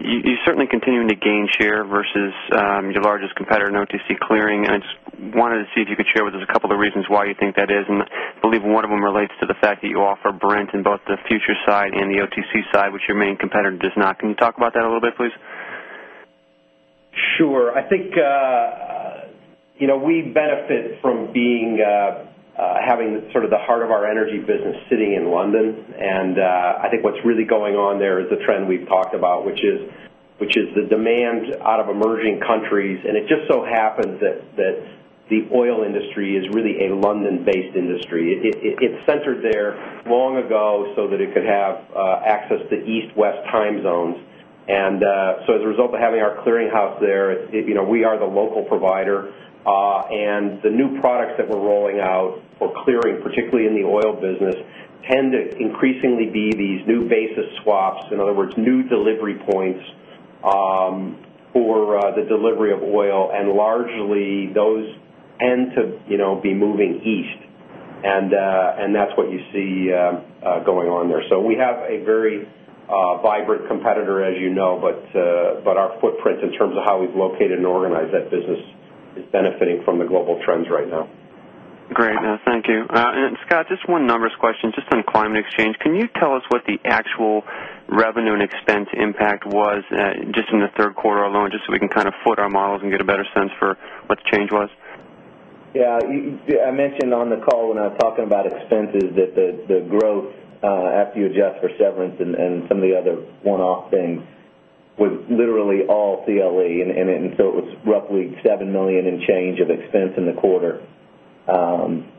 you're certainly continuing to gain share versus your largest competitor in OTC Clearing. I just wanted to see if you could share with us a couple of reasons why you think that is. And I believe one of them relates to the fact that you offer Brent in both the future side and the OTC side, your main competitor does not. Can you talk about that a little bit please? Sure. I think we benefit from being having sort of the heart of our energy business sitting in London. And I think what's really going on there is the trend we've talked about, which is the demand out of emerging countries. And it just so happens that the oil industry is really a London based industry. It's centered there long ago so that it could have access to east west time zones. And so as a result of having our clearinghouse there, we are the local provider. And the new products that we're rolling out for clearing, particularly in the oil business, tend to increasingly be these new basis swaps, in other words, new delivery points for the delivery of oil and largely those tend to be moving east. And that's what you see going on there. So we have a very vibrant competitor as you know, but our footprint in terms of how we've located and organized that business is benefiting from the global trends right now. Great. Thank you. And Scott, just one numbers question, just on Climate Exchange. Can you tell us what the actual revenue and expense impact was just in the Q3 alone, just so we can kind of foot our models and get a better sense for what the change was? Yes. I mentioned on the call when I was talking about expenses that the growth after you adjust for severance and some of the other one off things was literally all CLE and so it was roughly $7,000,000 in change of expense in the quarter,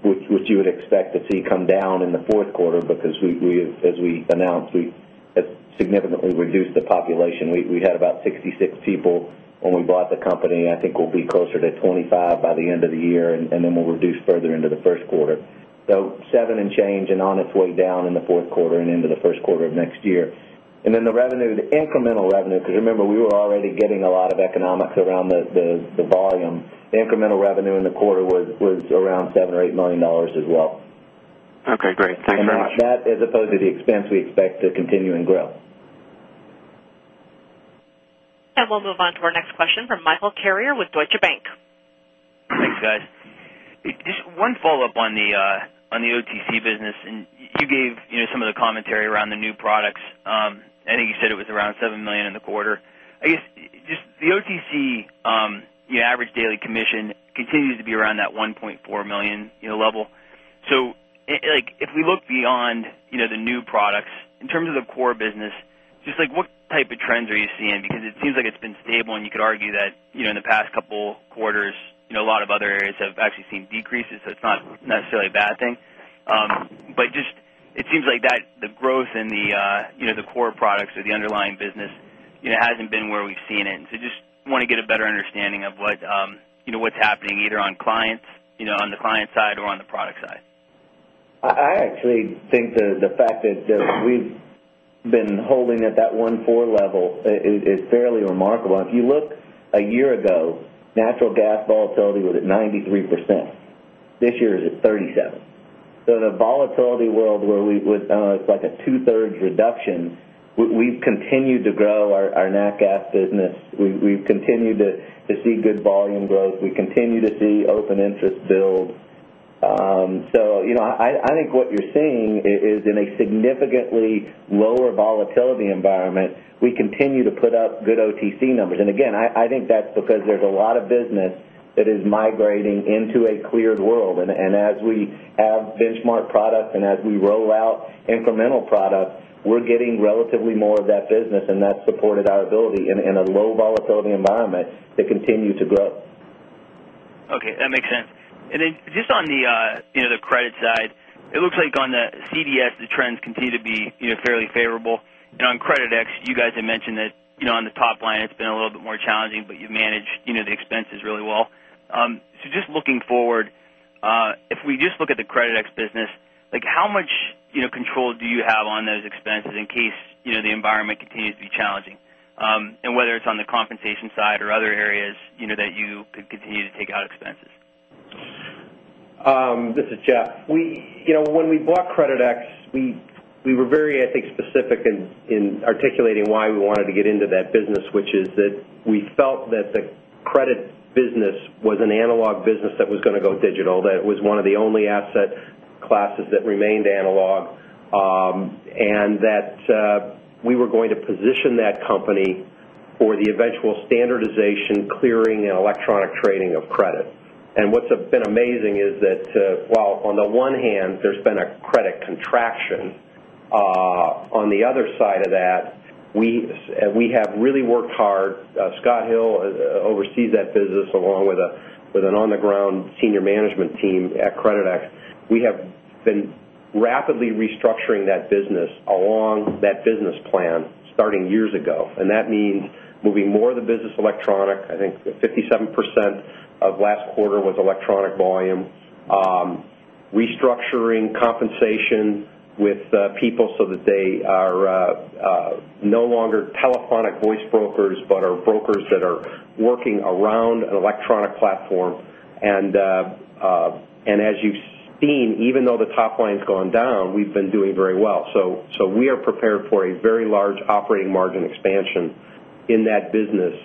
which you would expect see come down in the Q4 because we as we announced, we significantly reduced the population. We had about 66 people when we bought the company. I think we'll be closer to 25 by the end of the year and then we'll reduce further into the Q1. So 7 and change and on its way down in the Q4 and into the Q1 of next year. And then the revenue, the incremental revenue, because remember, we were already getting a lot of economics around the volume. Incremental revenue in the quarter was around $7,000,000 or $8,000,000 as well. Okay, great. Thanks very much. And so that as opposed to the expense we expect to continue and grow. And we'll move on to our next question from Michael Carrier with Deutsche Bank. Thanks guys. Just one follow-up on the OTC business and you gave some of the commentary around the new products. I think you said it was around $7,000,000 in the quarter. I guess just the OTC average daily commission continues to be around that $1,400,000 level. So like if we look beyond the new products, in terms of the core business, just like what type of trends are you seeing? Because it seems like it's been stable and you could argue that in the past couple of quarters a lot of other areas have actually seen decreases. So it's not necessarily a bad thing. But just it seems like that the growth in the core products or the underlying business hasn't been where we've seen it. So just want to get a better understanding of what's happening either on clients on the client side or on the product side? I actually think the fact that we've been holding at that 1.4% level is fairly remarkable. If you look a year ago, natural gas volatility was at 93%. This year, it's at 37. So the volatility world where we it's like a 2 thirds reduction, we've continued to grow our nat gas business. We've continued to see good volume growth. We continue to see open interest build. So I think what you're seeing is in a significantly lower volatility environment, we continue to put up good OTC numbers. And again, I think that's because there's a lot of business that is migrating into a cleared world. And as we have benchmark products and as we roll out incremental products, we're getting relatively more of that business and that supported our ability in a low volatility environment to continue to grow. Okay. That makes sense. And then just on the credit side, it looks like on the CDS, the trends continue to be fairly favorable. And on CreditX, you guys have mentioned that on the top line, it's been a little bit more challenging, but you manage the expenses really well. So just looking forward, if we just look at the Creditex business, like how much control do you have on those expenses in case the environment continues to be challenging? And whether it's on the compensation side or other areas that you could continue to take out expenses? This is Jeff. When we bought Creditex, we were very, I think, specific in articulating why we wanted to get into that business, which is that we felt that the credit business was an analog business that was going to go digital, that it was one of the only asset classes that remained analog and that we were going to position that company for the eventual standardization, clearing and electronic trading of credit. And what's been amazing is that while on the one hand there's been a credit contraction, on the other side of that, we have really worked hard. Scott Hill oversees that business along with an on the ground senior management team at Creditex. We have been rapidly restructuring that business along that business plan starting years ago. And that means moving more of the business electronic, I think the 57% of last quarter was electronic volume. Restructuring compensation with people so that they are no longer telephonic voice brokers, but are brokers that are working around an electronic platform. And as you've seen, even though the top line has gone down, we've been doing very well. So, we are prepared for a very large operating margin expansion in that business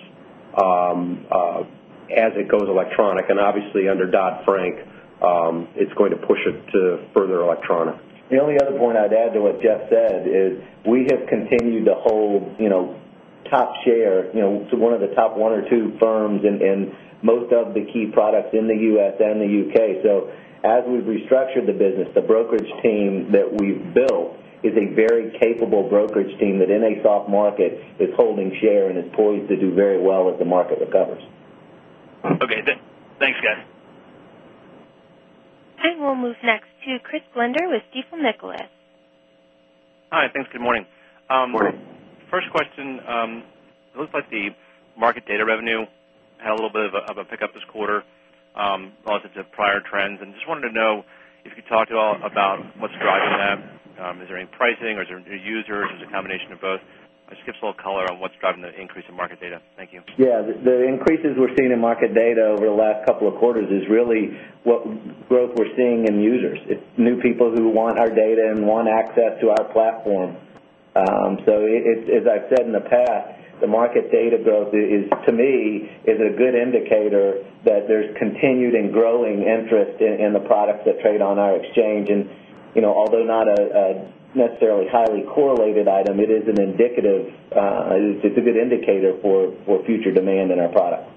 as it goes electronic. And obviously, under Dodd Frank, it's going to push it to further electronic. The only other point I'd add to what Jeff said is we have continued to hold top share to 1 of the top 1 or 2 firms in most of the key products in the U. S. And the U. K. So as we've restructured the business, the brokerage team that we've built is a very capable brokerage team that in a soft market is holding share and is poised to do very well as the market recovers. Okay. Thanks guys. And we'll move next to Chris Blender with Stifel Nicolaus. Hi, thanks. Good morning. Good morning. First question, it looks like the market data revenue had a little bit of a pickup this quarter, relative to prior trends. And just wanted to know if you could talk about what's driving that? Is there any pricing? Or is there any users? Is it a combination of both? Just give us a little color on what's driving the increase in market data. Thank you. Yes. The increases we're seeing in market data over the last couple of quarters is really what growth we're seeing in users. It's new people who want our data and want access to our platform. So as I've said in the past, the market data growth is to me is a good indicator that there's continued and growing interest in the products that trade on our exchange. And although not a necessarily highly correlated item, it is an indicative it's a good indicator for future demand in our product.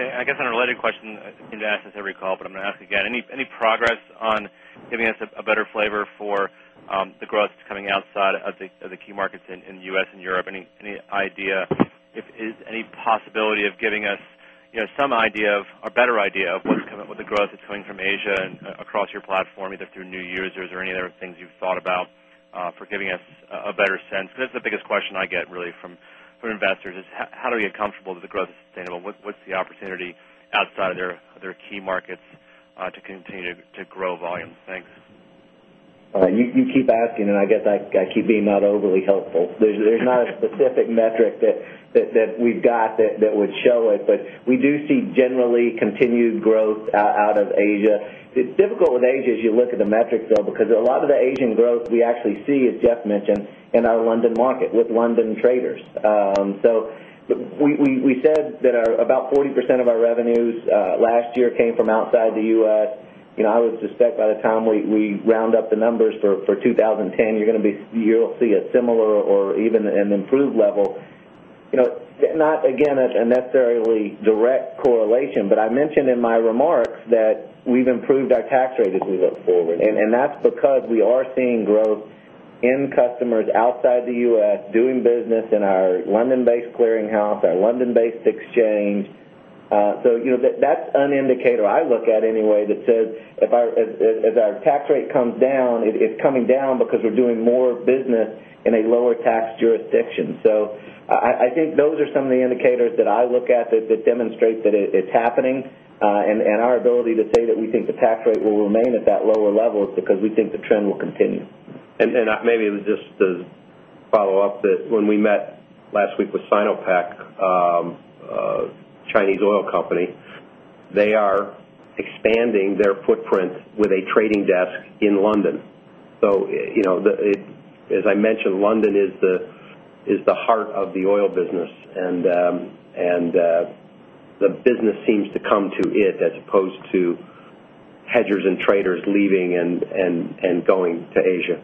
I guess unrelated question, I need to ask this every call, but I'm going to ask again. Any progress on giving us a better flavor for the growth that's coming outside of the key markets in the U. S. And Europe? Any idea, is any possibility of giving us some idea of or better idea of what's coming with the growth that's coming from Asia and across your platform, either through new users or any other things you've thought about for giving us a better sense? Because the biggest question I get really from investors is, how do we get comfortable that the growth is sustainable? What's the opportunity outside of their key markets to continue to grow volumes? Thanks. You keep asking and I guess I keep being not overly It's difficult with Asia as you look at the metrics though, because a lot of the Asian growth we It's difficult with Asia as you look at the metrics though, because a lot of the Asian growth we actually see, as Jeff mentioned, in our London market with London Traders. So we said that about 40% of our revenues last year came from outside the U. S. I would suspect by the time we round up the numbers for 2010, you're going to be you'll see a similar or even an improved level. Not again necessarily direct correlation, but I mentioned in my remarks that we've improved our tax rate as we look forward. And that's because we are seeing growth in customers outside the U. S. Doing business in our London based clearinghouse, our London based exchange. So that's an indicator I look at anyway that says if our tax rate comes down, it's coming down because we're doing more business in a lower tax jurisdiction. So I think those are some of the indicators that I look at that demonstrate that it's happening. And our ability to say that we think the tax rate will remain at that lower level is because we think the trend will continue. And maybe it was just a follow-up that when we met last week with Sinopec, a Chinese oil company, they are expanding their footprint with a trading desk in London. So, as I mentioned, London is the heart of the oil business and the business seems to come to it as opposed to hedgers and traders leaving and going to Asia.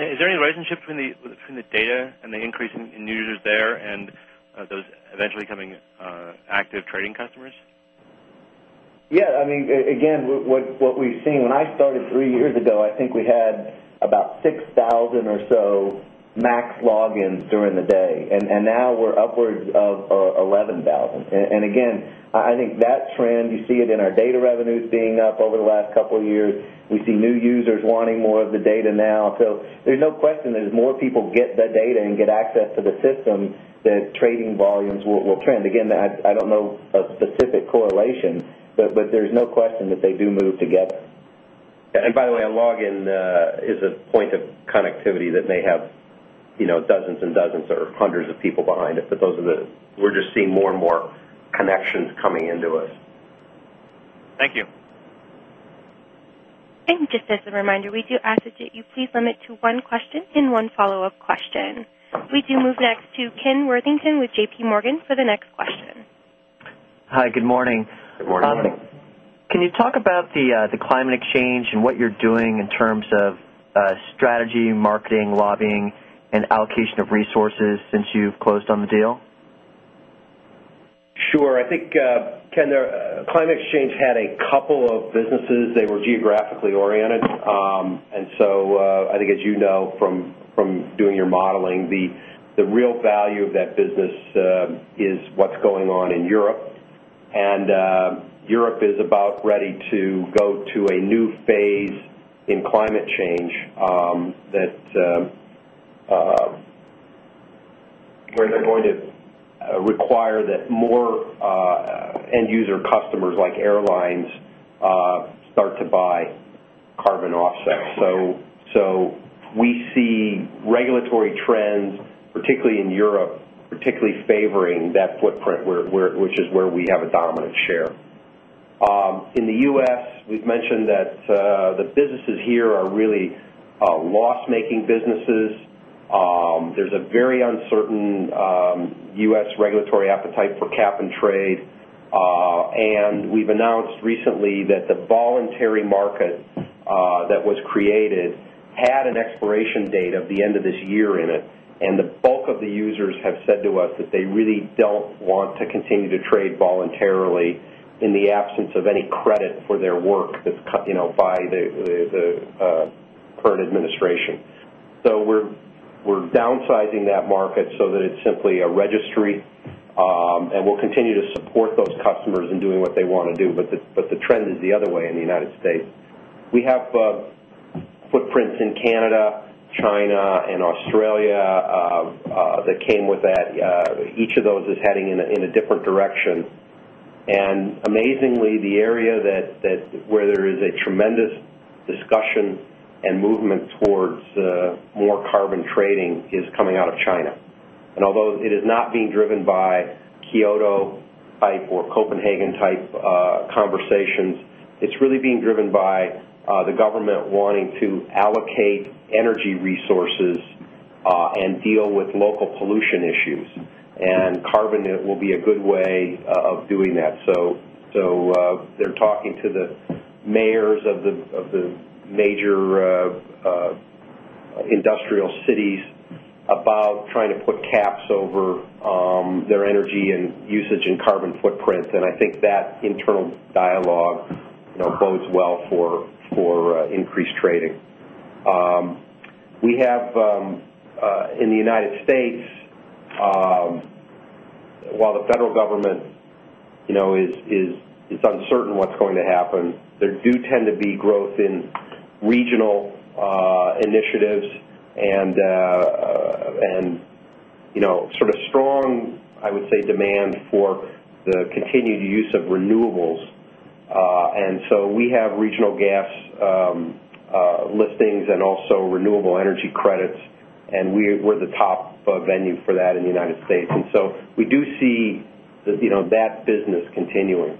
Is there any relationship between the data and the increase in users there and those eventually coming active trading customers? Yes. I mean, again, what we've seen when I started 3 years ago, I think we had about 6,000 or so max logins during the day. And now we're upwards of 11,000. And again, I think that trend, you see it in our data revenues being up over the last couple of years. We see new users wanting more of the data now. So there's no question that as more people get the data and get access to the system, that trading volumes will trend. Again, I don't know a specific correlation, but there's no question that they do move together. And by the way, a log in is a point of connectivity that may have dozens and dozens or hundreds of people behind us. But those are the we're just seeing more and more connections coming into us. Thank you. And just as a reminder, we do ask that you please limit We do move next to Ken Worthington with JPMorgan for the next question. Hi, good morning. Good morning. Can you talk about the climate exchange and what you're doing in terms of strategy, marketing, lobbying and allocation of resources since you've closed on the deal? Sure. I think, Ken, Climate Exchange had a couple of businesses. They were geographically oriented. And so I think, as you know, from doing your modeling, the real value of that business is what's going on in Europe. And Europe is about ready to go to a new phase in climate change that we're going to require that more end user customers like airlines start to buy carbon offsets. So, we see regulatory trends, particularly in Europe, particularly favoring that footprint, which is where we have a dominant share. In the U. S, we've mentioned that the businesses here are really loss making businesses. There's a very uncertain U. S. Regulatory appetite for cap and trade. And we've announced recently that the voluntary market that was created had an expiration date of the end of this year in it. And the bulk of the users have said to us that they really don't want to continue to trade voluntarily in the absence of any credit for their work that's cut by the current administration. So we're downsizing that market so that it's simply a registry and we'll continue to support those customers in doing what they want to do, but the trend is the other way in the United States. We have footprints in Canada, China and Australia that came with that. Each of those is heading in a different direction. And amazingly, the area that where there is a tremendous discussion and movement towards more carbon trading is coming out of China. And although it is not being driven by Kyoto type or Copenhagen type conversations, It's really being driven by the government wanting to allocate energy resources and deal with local pollution issues. And carbon will be a good way of doing that. So they're talking to the mayors the major industrial cities about trying to put caps over their energy and usage and carbon footprint. And I think that internal dialogue bodes well for increased trading. We have in the United States, while the federal government is uncertain what's going to happen, there do tend to be growth in regional initiatives and sort of strong, I would say, demand for the continued use of renewables. And so we have regional gas listings and also renewable energy credits, and we're the top venue for that in the United States. And so we do see that business continuing.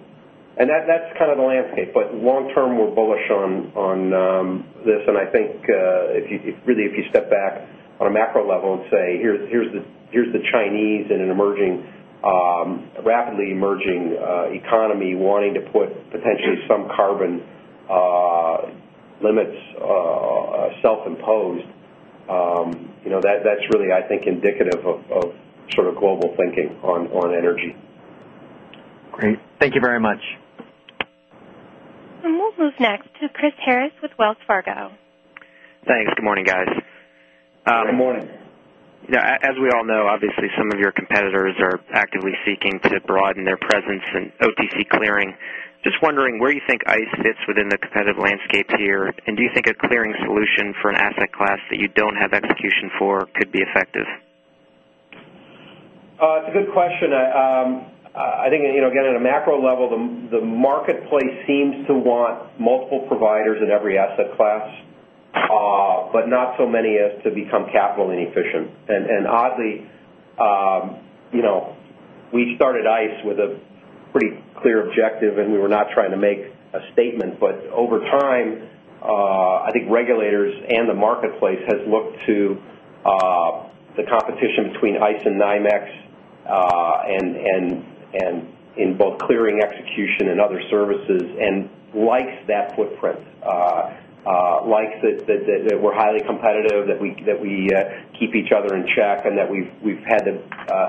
And that's kind of the landscape. But long term, we're bullish on this. And I think really if you step back on a macro level and say, here's the Chinese in an emerging rapidly emerging economy wanting to put potentially some carbon limits self imposed, that's really, I think, indicative of sort of global thinking on energy. Great. Thank you very much. And we'll move next to Chris Harris with Wells Fargo. Thanks. Good morning, guys. Good morning. As we all know, obviously, some of your competitors are actively seeking to broaden their presence in OTC clearing. Just wondering where you think ICE fits within the competitive landscape here? And do you think a clearing solution for an asset class that you don't have execution for could be effective? It's a good question. I think, again, at a macro level, the marketplace seems to want multiple providers in every asset class, but not so many as to become capital inefficient. And oddly, we started ICE with a pretty clear objective and we were not trying to make a statement. But over time, I think regulators and the marketplace has looked to the competition between ICE and NYMEX and in both clearing execution and other services and likes that footprint, likes that we're highly competitive, that we keep each other in check and that we've had to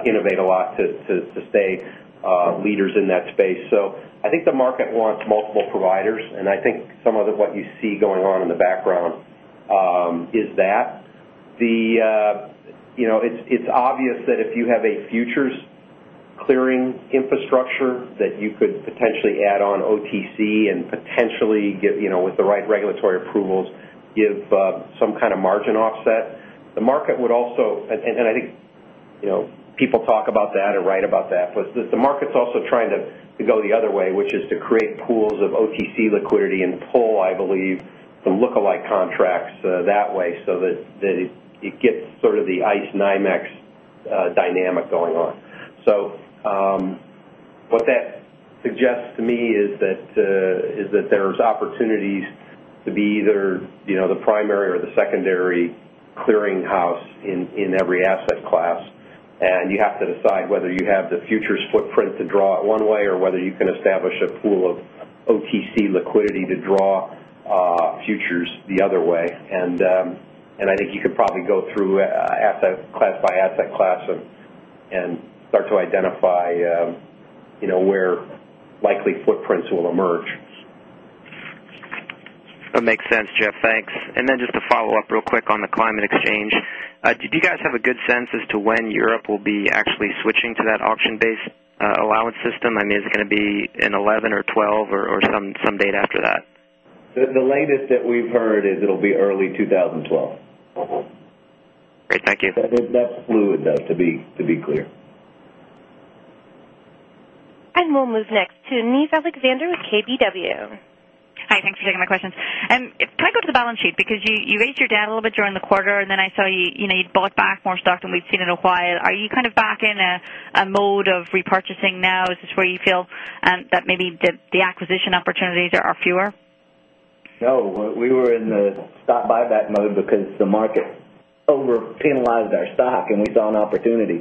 innovate a lot to stay leaders in that space. So I think the market wants multiple providers. And I think some of what you see going on in the background is that. It's obvious that if you have a futures clearing infrastructure that you could potentially add on OTC and potentially, with the right regulatory approvals, give some kind of margin offset. The market would also and I think people talk about that or write about that, but the market's also trying to go the other way, which is to create pools of OTC liquidity and pull, I believe, some look alike contracts that way so that it gets sort of the ICE NYMEX dynamic going on. So, what that suggests to me is that there's opportunities to be either the primary or the secondary clearinghouse in every asset class. And you have to decide whether you have the futures footprint to draw it one way or whether you can establish a pool of OTC liquidity to draw futures the other way. And I think you could probably go through asset class by asset class and start to identify where likely footprints will emerge. That makes sense, Jeff. Thanks. And then just a follow-up real quick on the Climate Exchange. Did you guys have a good sense as to when Europe will be actually switching to that auction based allowance system? I mean, is it going to be in 2011 or 2012 or some date after that? The latest that we've heard is it will be early 2012. Great. Thank you. That's fluid though to be clear. And we'll move next to Niz Alexander with KBW. Hi, thanks for taking my questions. Can I go to the balance sheet because you raised your debt a little bit during the quarter and then I saw you bought back stock than we've seen in a while? Are you kind of back in a mode of repurchasing now? Is this where you feel that maybe the acquisition opportunities are fewer? No. We were in the stock buyback mode because the market over penalized our stock and we saw an opportunity.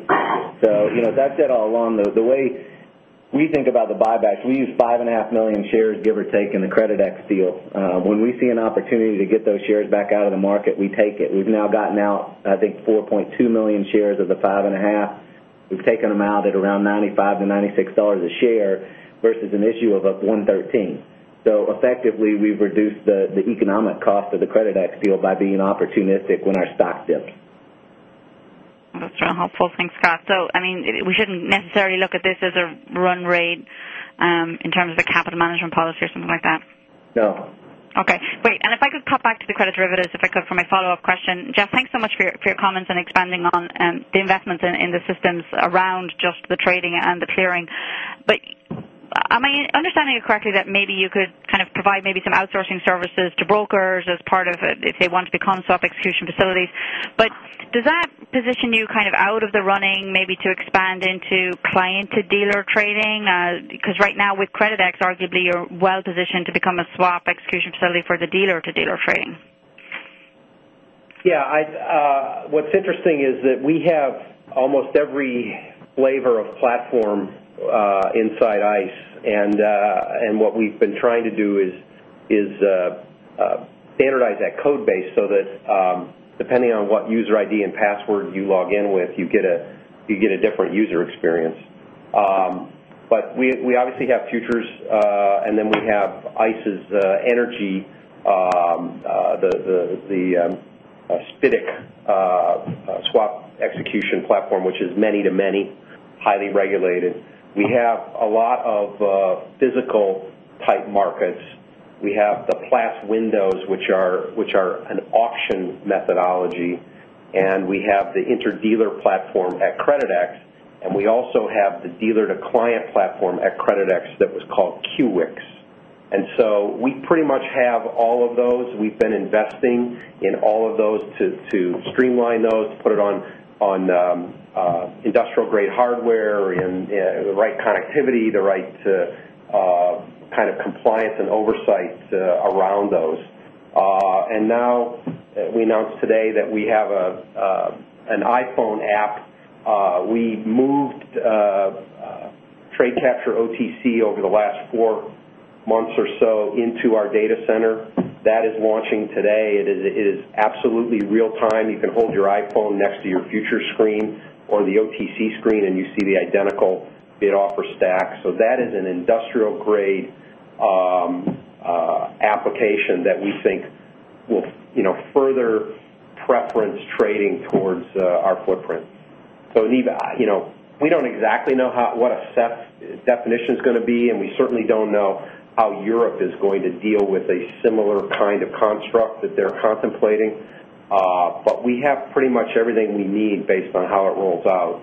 So that said all along, the way we think about the buybacks, we use 5,500,000 shares give or take in the Creditex deal. When we see an opportunity to get those shares back out of the market, we take it. We've now gotten out, I think, 4,200,000 shares of the $5,500,000 We've taken them out at around $95 to $96 a share versus an issue of $113. So effectively, we've reduced the economic cost of the credit ex deal by being opportunistic when our stock dips. That's very helpful. Thanks, Scott. So I mean, we shouldn't necessarily look at this as a run rate in terms of the capital management policy or something like that? No. Okay. Great. And if I could cut back to the credit derivatives, if I could, for my follow-up question. Jeff, thanks so much for your comments and expanding on the investments in the systems around just the trading and the clearing. But am I understanding it correctly that maybe you could kind of provide maybe some outsourcing services to brokers as part of, if they want to become soft swap execution facilities. But does that position you kind of out of the running maybe to expand into client to dealer trading? Because right with Creditex arguably you're well positioned to become a swap execution facility for the dealer to dealer trading. Yes. What's interesting is that we have almost every flavor of platform inside ICE. And what we've been trying to do is standardize that code base so that depending on what user ID and password you log in with, you get a different user experience. But we obviously have futures, and then we have ICE's energy, the SPITIC swap execution platform, which is many to many highly regulated. We have a lot of physical type markets. We have the PLAS windows, which are an auction methodology, and we have the interdealer platform at Creditex, and we also have the dealer to client platform at Creditex that was called Qwix. And so, we pretty much have all of those. We've been investing in all of those to streamline those, put it on industrial grade hardware, the right connectivity, the right kind of compliance and oversight around those. And now we announced today that we have an iPhone app. We moved Trade Capture OTC over the last four months or so into our data center. That is launching today. It is absolutely real time. You can hold your iPhone next to your future screen or the OTC screen and you see the identical bid offer stack. So that is an industrial grade application that we think will further preference trading towards our footprint. So, we don't exactly know what a SEP definition is going to be and we certainly don't know how Europe is going to deal with a similar kind of construct that they're contemplating. But we have pretty much everything we need based on how it rolls out.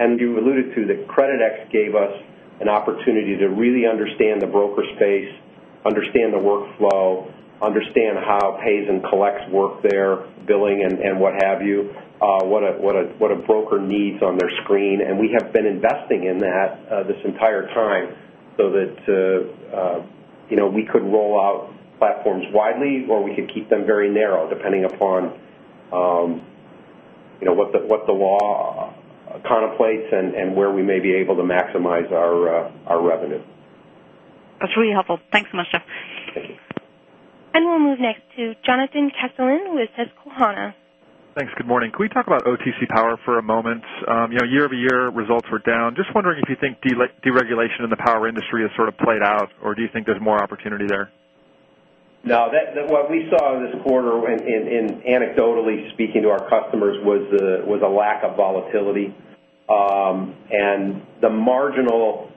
And you alluded to that CreditX gave us an opportunity to really understand the broker space, understand the workflow, understand how pays and collects work there, billing and what have you, a broker needs on their screen. And we have been investing in that this entire time so that we could roll out platforms widely or we could keep them very narrow depending upon what the law contemplates and where we may be able to maximize our revenue. That's really helpful. Thanks so much, Jeff. Thank you. And we'll move next to Jonathan Kesselin with Susquehanna. Thanks. Good morning. Can we talk about OTC Power for a moment? Year over year results were down. Just wondering if you think deregulation in the power industry has sort of played out? Or do you think there's more opportunity there? No. What we saw this quarter anecdotally speaking to our customers was a lack of volatility. And the marginal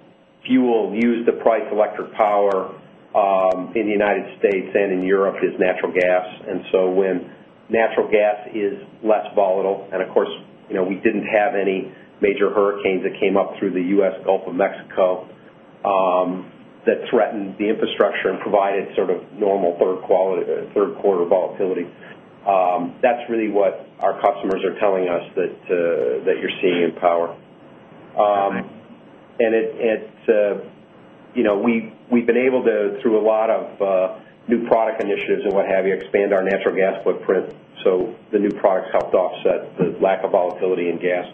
fuel used to price electric power in the United States and in Europe is natural gas. And so when natural gas is less volatile and of course we didn't have any major hurricanes that came up through the U. S. Gulf of Mexico that threatened the infrastructure and provided sort of normal third quarter volatility. That's really what our customers are telling us that you're seeing in power. And it's we've been able to, through a lot of new product initiatives and what have you, expand our natural gas footprint. So, the new products helped offset the lack of volatility in gas.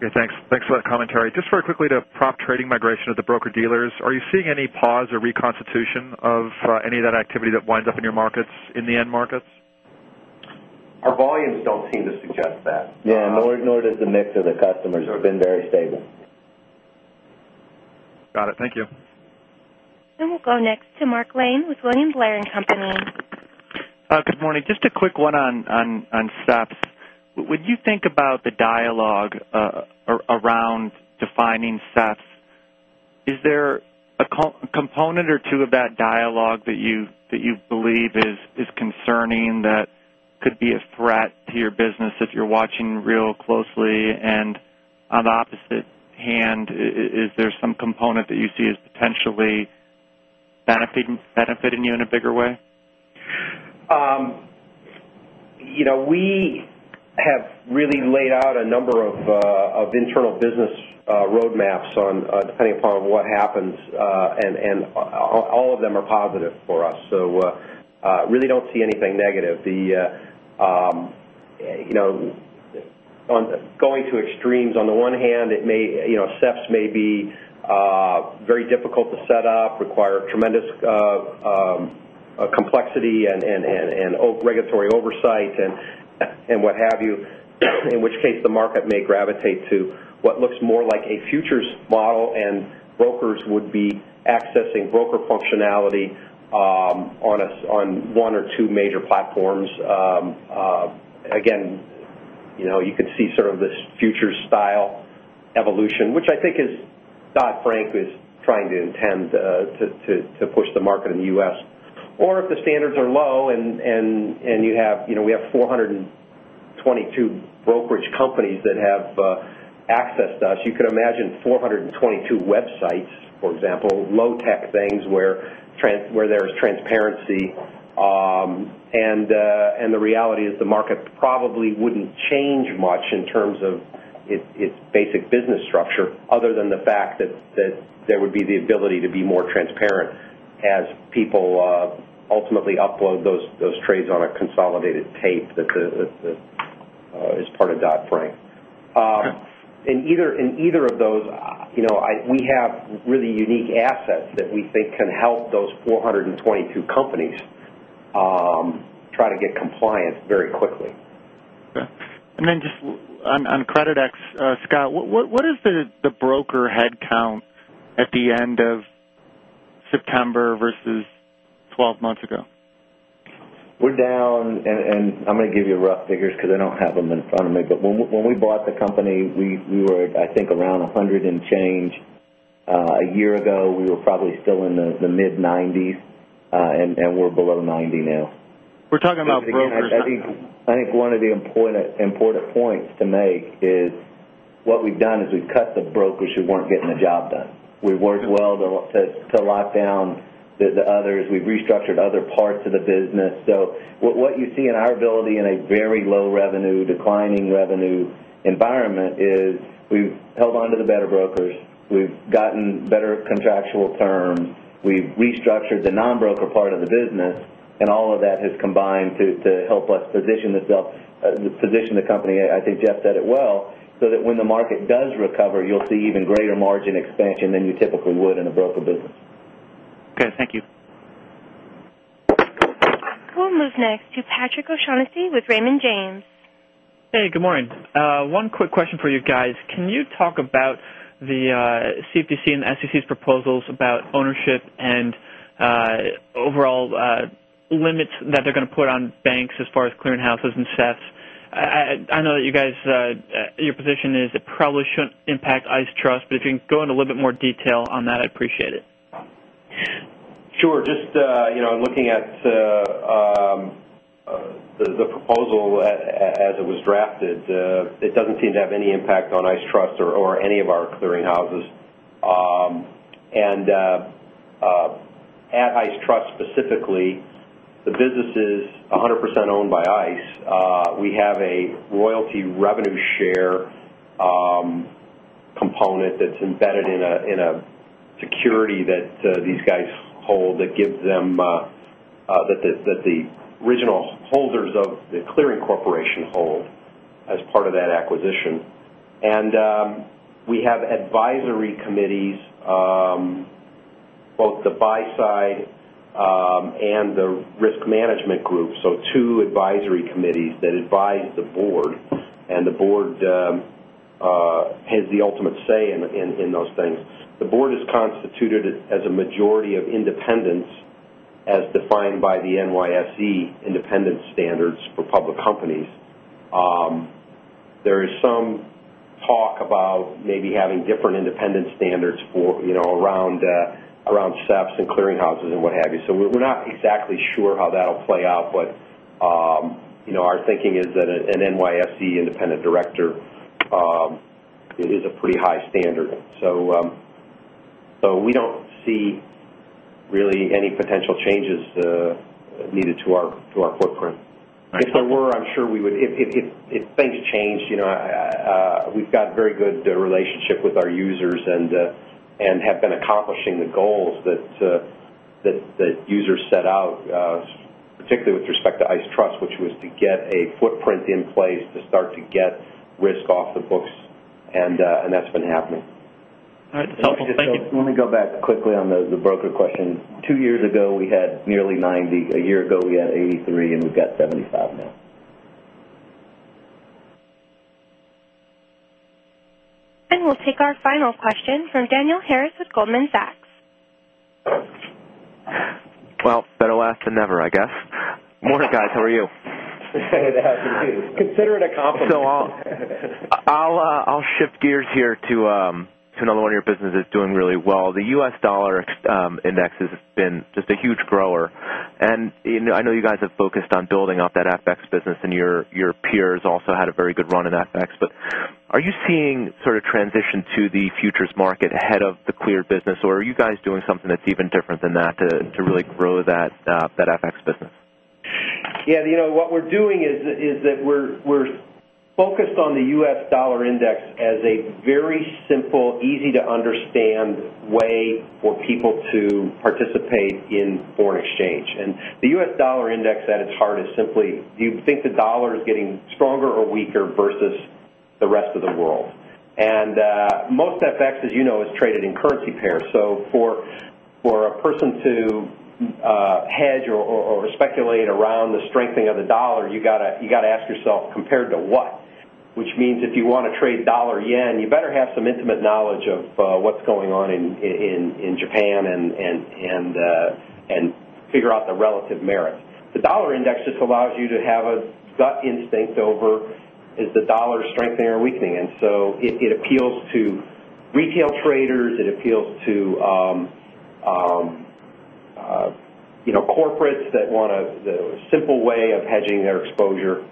Okay. Thanks for that commentary. Just very quickly to prop trading migration of the broker dealers, are you seeing any pause or reconstitution of any of that activity that winds up in your markets in the end markets? Our volumes don't seem to suggest that. Yes, nor does the mix of the customers. We've been very stable. Got it. Thank you. And we'll go next to Mark Lane with William Blair and Company. Good morning. Just a quick one on SEPs. When you think about the dialogue around defining SEP, is there a component or 2 of that dialogue that you believe is concerning that could be a threat to your business if you're watching real closely? And on the opposite hand, is there some component that you see as potentially benefiting you in a bigger way? We have really laid out a number of internal business roadmaps on depending upon what happens, and all of them are positive for us. So, really don't see anything negative. Going to extremes, on the one hand, it may SEFs may be very difficult to set up, require tremendous complexity and regulatory oversight and what have you, in which case the market may gravitate to what looks more like a futures model and brokers would be accessing broker functionality on 1 or 2 major platforms. Again, you could see sort of this future style evolution, which I think is Dodd Frank is trying to intend to push the market in the U. S. Or if the standards are low and you have we have 4 22 brokerage companies that have access to us. You could imagine 422 websites, for example, low tech things where there is transparency. And the reality is the market probably wouldn't change much in terms of its basic business structure other than the fact that there would be the ability to be more transparent as people ultimately upload those trades on a consolidated tape that is part of Dodd Frank. In either of those, we have really unique assets that we think can help those 422 companies try to get compliance very quickly. Okay. And then just on Creditex, Scott, what is the broker headcount at the end of September versus 12 months ago? We're down and I'm going to give you rough figures because I don't have them in front of me. But when we bought the company, we were, I think, around 100 and change. A year ago, we were probably still in the mid-90s, and we're below 90 now. We're talking about brokers. I think one of the important points to make is what we've done is we've cut the brokers who weren't getting the job done. We've worked well to lock down the others. We've restructured other parts of the business. So what you see in our ability in a very low revenue, declining revenue environment is we've held on to the better brokers. We've gotten better contractual terms, we've restructured the non broker part of the business and all of that has combined to help us position the company. I think Jeff said it well, so that when the market does recover, you'll see even greater margin expansion than you typically would in a broker business. Okay. Thank you. We'll move next to Patrick O'Shaughnessy with Raymond James. Hey, good morning. One quick question for you guys. Can you talk about the CFTC and SEC's proposals about ownership and overall limits that they're going to put on banks as far as clearinghouses and I know that you guys your position is it probably shouldn't impact ICE Trust, but if you can go into a little bit more detail on that, I'd appreciate it. Sure. Just looking at the proposal as it was drafted, it doesn't seem to have any impact on ICE Trust or any of our clearinghouses. And at ICE Trust specifically, the business is 100% owned by ICE. We have a royalty revenue share component that's embedded in a security that these guys hold that gives them that the original holders of the Clearing Corporation hold as part of that acquisition. And we have advisory committees, both the buy side and the risk management group. So, 2 advisory committees that advise the Board and the Board has the ultimate say in those things. The Board is constituted as a majority of independence as defined by the NYSE independent standards for public companies. There is some talk about maybe having different independent standards for around SEPs and clearinghouses and what have you. So we're not exactly sure how that will play out, but our thinking is that an NYSE Independent Director, it is a pretty high standard. So we don't see really any potential changes needed to our footprint. If there were, I'm sure we would if things change, we've got very good relationship with our users and have been accomplishing the goals that users set out, particularly with respect to ICE Trust, which was to get a footprint in place to start to get risk off the books, and that's been happening. All right. So let me go back quickly on the broker question. 2 years ago, we had nearly 90, a year ago, we had 83, and we've got 75 now. And we'll take our final question from Daniel Harris with Goldman Sachs. Well, better last than never, I guess. Morning, guys. How are you? Good afternoon. Considering a conference. So I'll shift gears here to another one of your businesses doing really well. The U. S. Dollar index has been just a huge grower. And I know you guys have focused on building up that FX business and your peers also had a very good run-in FX. But are you seeing sort of transition to the futures market ahead of the Clear business? Or are you guys doing something that's even different than that to really grow that FX business? Yes. What we're doing is that we're focused on the U. S. Dollar index as a very simple, easy to understand way for people to participate in foreign exchange. And the U. S. Dollar index at its heart is simply do you think the dollar is getting stronger or weaker versus the rest of the world? And most FX, as you know, is traded in currency pairs. So for a person to hedge or speculate around the strengthening of the dollar, you got to ask yourself compared to what, which means if you want to trade dollar yen, you better have some intimate knowledge of what's going on in Japan and figure out the relative merits. The dollar index just allows you to have a gut instinct over is the dollar strengthening or weakening. And so it appeals to retail traders. It appeals to corporates that want a simple way of hedging their exposure.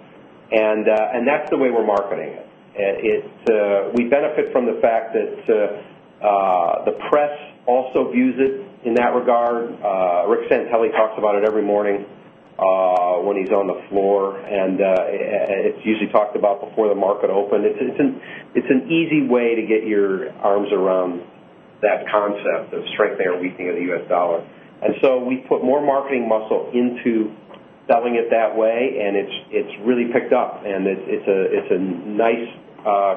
And that's the way we're marketing it. We benefit from the fact that the press also views it in that regard. Rick Santelli talks about it every morning when he's on the floor, and it's usually talked about before the market opened. It's an easy way to get your arms around that concept of strengthening or weakening of the U. S. Dollar. And so we put more marketing muscle into selling it that way and it's really picked up and it's a nice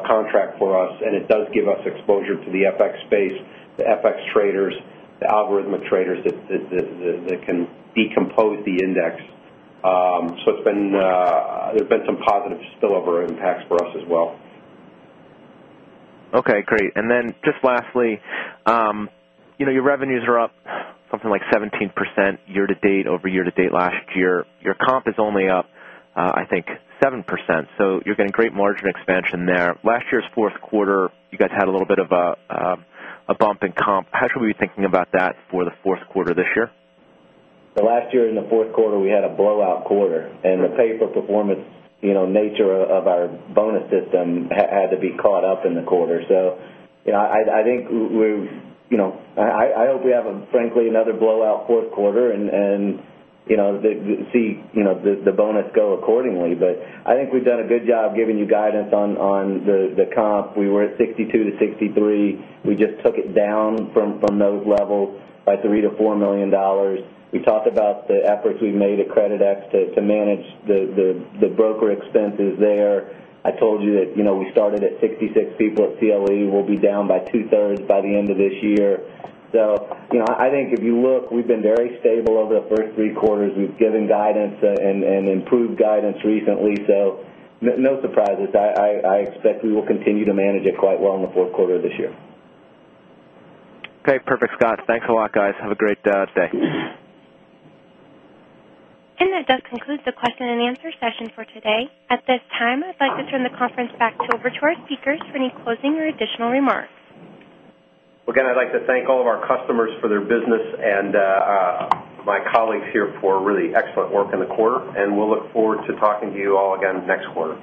contract for us and it does give us exposure to the FX space, the FX traders, the algorithmic traders that can decompose the index. So it's been there have been some positive spillover impacts for us as well. Okay, great. And then just lastly, your revenues are up something like 17% year to date over year to date last year. Your comp is only up, I think 7%. So you're getting great margin expansion there. Last year's Q4, you guys had a little bit of a bump in comp. How should we be thinking about that for the Q4 this year? Last year in Q4, we had a blowout quarter and the pay for performance nature of our bonus system had to be caught up in the quarter. So So I think we've I hope we have frankly another blowout Q4 and see the bonus go accordingly. But I think we've done a good job giving you guidance on the comp. We were at 62,000,000 to 63,000,000 We just took it down from those levels by $3,000,000 to $4,000,000 We talked about the efforts we've made at Creditex to manage the broker expenses there. I told you that we started at 66 people at CLE. We'll be down by 2 thirds by the end of this year. So I think if you look, we've been very stable over the 1st 3 quarters. We've given guidance and improved guidance recently. So no surprises. I expect we will continue to manage it quite well in the Q4 of this year. Okay. Perfect, Scott. Thanks a lot, guys. Have a great day. And that does conclude the question and answer session for today. At this time, I'd like to turn the conference back over to our speakers for any closing or additional remarks. Again, I'd like to thank all of our customers for their business and my colleagues here for really excellent work in the quarter, and we'll look forward to talking to you all again next quarter.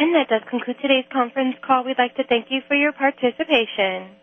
And that does conclude today's conference call. We'd like to thank you for your participation.